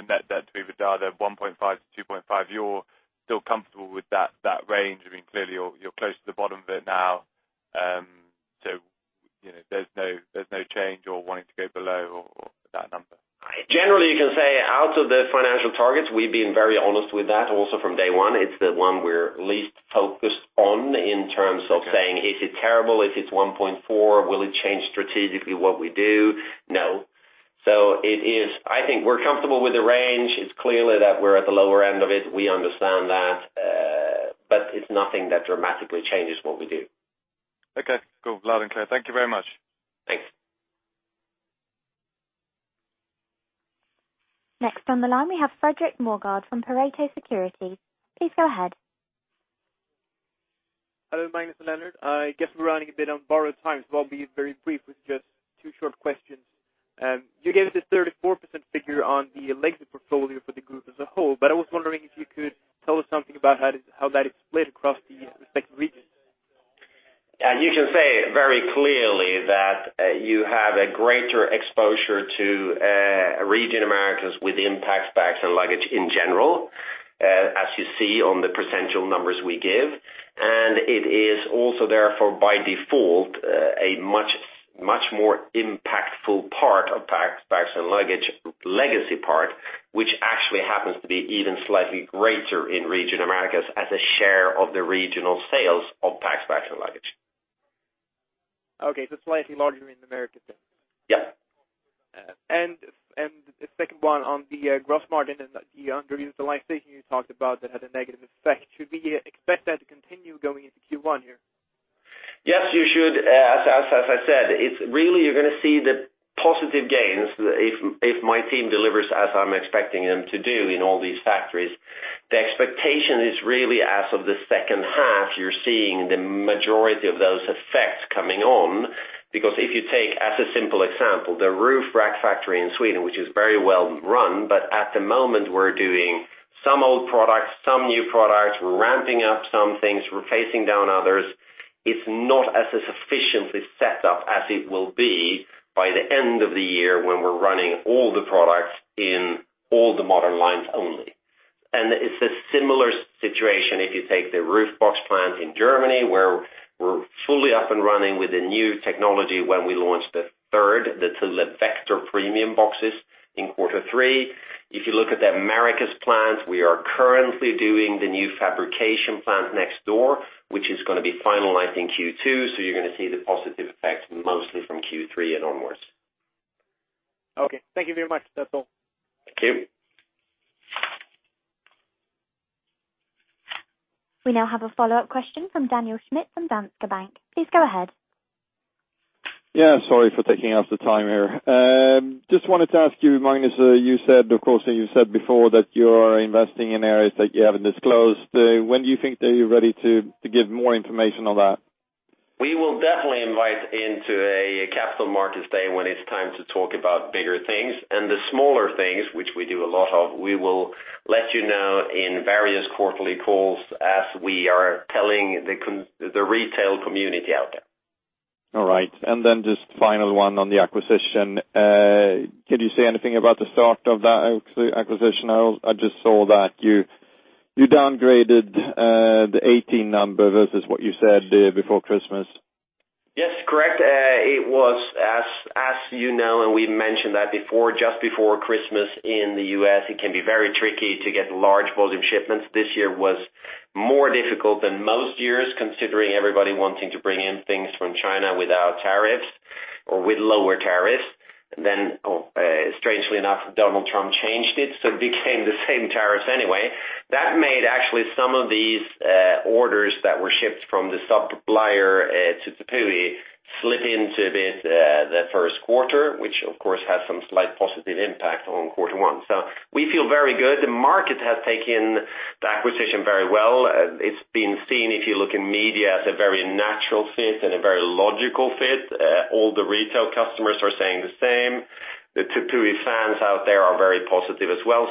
Speaker 9: net debt to EBITDA, the 1.5 to 2.5, you're still comfortable with that range? Clearly, you're close to the bottom of it now, so there's no change or wanting to go below that number?
Speaker 2: Generally, you can say out of the financial targets, we've been very honest with that also from day one. It's the one we're least focused on in terms of saying, "Is it terrible if it's 1.4? Will it change strategically what we do?" No. I think we're comfortable with the range. It's clear that we're at the lower end of it. We understand that. It's nothing that dramatically changes what we do.
Speaker 9: Okay. Cool. Loud and clear. Thank you very much.
Speaker 2: Thanks.
Speaker 1: Next on the line, we have Fredrik Morgård from Pareto Securities. Please go ahead.
Speaker 10: Hello, Magnus and Lennart. I guess we're running a bit on borrowed time, I'll be very brief with just two short questions. You gave the 34% figure on the legacy portfolio for the group as a whole, I was wondering if you could tell us something about how that is split across the respective regions.
Speaker 2: You can say very clearly that you have a greater exposure to region Americas within Packs, Bags, and Luggage in general, as you see on the percentual numbers we give. It is also therefore, by default, a much more impactful part of Packs, Bags, and Luggage legacy part, which actually happens to be even slightly greater in region Americas as a share of the regional sales of Packs, Bags, and Luggage.
Speaker 10: Okay. Slightly larger in the Americas then.
Speaker 2: Yeah.
Speaker 10: The second one on the gross margin and the underused line thinking you talked about that had a negative effect. Should we expect that to continue going into Q1 here?
Speaker 2: Yes, you should. As I said, really you're going to see the positive gains if my team delivers as I'm expecting them to do in all these factories. The expectation is really as of the second half, you're seeing the majority of those effects coming on. Because if you take as a simple example, the roof rack factory in Sweden, which is very well run, but at the moment we're doing some old products, some new products, we're ramping up some things, we're facing down others. It's not as sufficiently set up as it will be by the end of the year when we're running all the products in all the modern lines only. It's a similar situation if you take the roof box plant in Germany where we're fully up and running with the new technology when we launch the third, the Thule Vector premium boxes in quarter three. If you look at the Americas plant, we are currently doing the new fabrication plant next door, which is going to be finalizing Q2, so you're going to see the positive effects mostly from Q3 and onwards.
Speaker 10: Okay. Thank you very much. That's all.
Speaker 2: Thank you.
Speaker 1: We now have a follow-up question from Daniel Schmidt from Danske Bank. Please go ahead.
Speaker 4: Yeah. Sorry for taking up the time here. Just wanted to ask you, Magnus, you said, of course, and you said before that you are investing in areas that you haven't disclosed. When do you think that you're ready to give more information on that?
Speaker 2: We will definitely invite into a capital markets day when it's time to talk about bigger things. The smaller things, which we do a lot of, we will let you know in various quarterly calls as we are telling the retail community out there.
Speaker 4: All right. Then just final one on the acquisition. Can you say anything about the start of that acquisition? I just saw that you downgraded the 2018 number versus what you said before Christmas.
Speaker 2: Yes. Correct. It was, as you know, and we mentioned that before, just before Christmas in the U.S., it can be very tricky to get large volume shipments. This year was more difficult than most years, considering everybody wanting to bring in things from China without tariffs or with lower tariffs. Strangely enough, Donald Trump changed it, so it became the same tariffs anyway. That made actually some of these orders that were shipped from the supplier to Thule slip into the first quarter, which of course has some slight positive impact on quarter one. We feel very good. The market has taken the acquisition very well. It's been seen, if you look in media, as a very natural fit and a very logical fit. All the retail customers are saying the same. The Thule fans out there are very positive as well.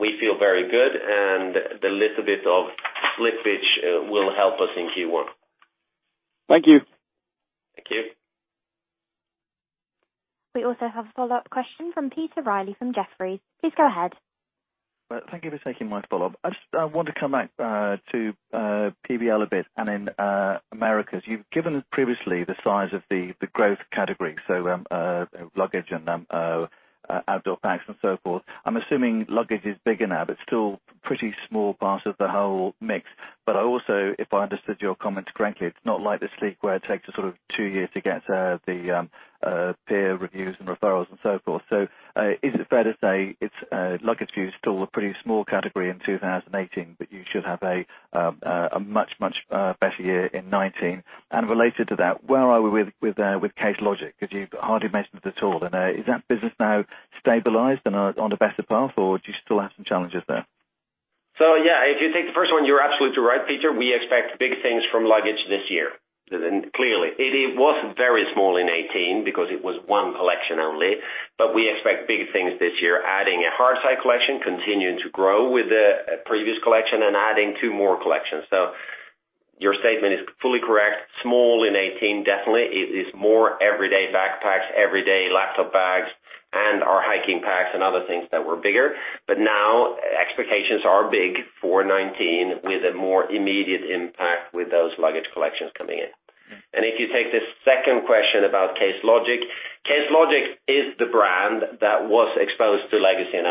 Speaker 2: We feel very good, and the little bit of slippage will help us in Q1.
Speaker 4: Thank you.
Speaker 2: Thank you.
Speaker 1: We also have a follow-up question from Peter Reilly from Jefferies. Please go ahead.
Speaker 5: Thank you for taking my follow-up. I just want to come back to PBL a bit and in Americas. You've given us previously the size of the growth category, so luggage and outdoor packs and so forth. I'm assuming luggage is bigger now, but still pretty small part of the whole mix. Also, if I understood your comment correctly, it's not like the Sleek where it takes a sort of two years to get the peer reviews and referrals and so forth. Is it fair to say, luggage for you is still a pretty small category in 2018, but you should have a much, much better year in 2019? Related to that, where are we with Case Logic? Because you hardly mentioned it at all. Is that business now stabilized and on a better path, or do you still have some challenges there?
Speaker 2: If you take the first one, you're absolutely right, Peter Reilly. We expect big things from luggage this year, clearly. It was very small in 2018 because it was one collection only, but we expect big things this year, adding a hardside collection, continuing to grow with the previous collection and adding two more collections. Your statement is fully correct. Small in 2018, definitely. It is more everyday backpacks, everyday laptop bags, and our hiking packs and other things that were bigger. Now expectations are big for 2019 with a more immediate impact with those luggage collections coming in. If you take the second question about Case Logic, Case Logic is the brand that was exposed to legacy and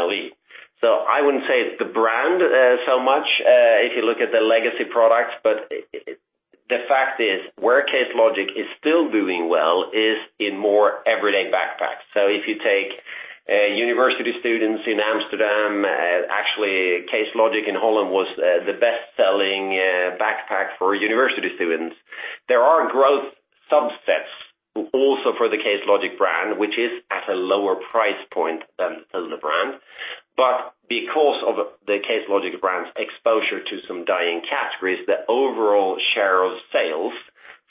Speaker 2: LE. I wouldn't say it's the brand so much, if you look at the legacy products, but the fact is, where Case Logic is still doing well is in more everyday backpacks. If you take university students in Amsterdam, actually, Case Logic in Holland was the best-selling backpack for university students. There are growth subsets also for the Case Logic brand, which is at a lower price point than the brand. Because of the Case Logic brand's exposure to some dying categories, the overall share of sales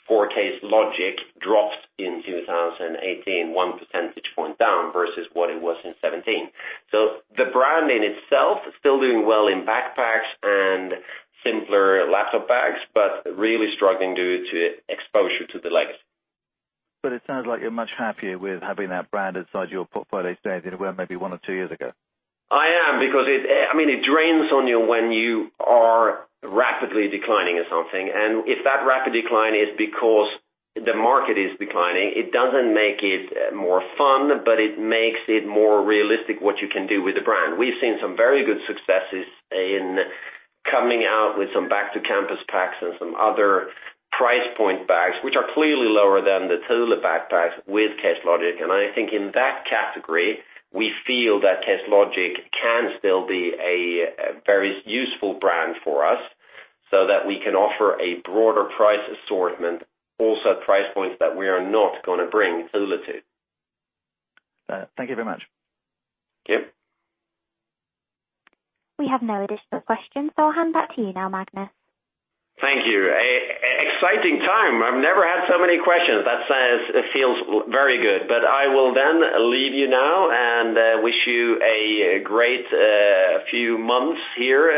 Speaker 2: for Case Logic dropped in 2018, one percentage point down versus what it was in 2017. The brand in itself is still doing well in backpacks and simpler laptop bags, but really struggling due to exposure to the legacy.
Speaker 5: It sounds like you're much happier with having that brand inside your portfolio today than you were maybe one or two years ago.
Speaker 2: I am, because it drains on you when you are rapidly declining in something. If that rapid decline is because the market is declining, it doesn't make it more fun, but it makes it more realistic what you can do with the brand. We've seen some very good successes in coming out with some back-to-campus packs and some other price point bags, which are clearly lower than the Thule backpacks with Case Logic. I think in that category, we feel that Case Logic can still be a very useful brand for us so that we can offer a broader price assortment, also at price points that we are not going to bring Thule to.
Speaker 5: Thank you very much.
Speaker 2: Thank you.
Speaker 1: We have no additional questions. I'll hand back to you now, Magnus.
Speaker 2: Thank you. Exciting time. I've never had so many questions. That feels very good. I will then leave you now and wish you a great few months here,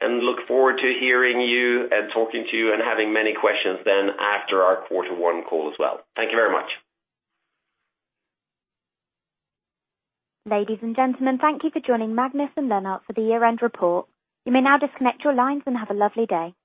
Speaker 2: and look forward to hearing you and talking to you and having many questions then after our quarter one call as well. Thank you very much.
Speaker 1: Ladies and gentlemen, thank you for joining Magnus and Lennart for the year-end report. You may now disconnect your lines and have a lovely day.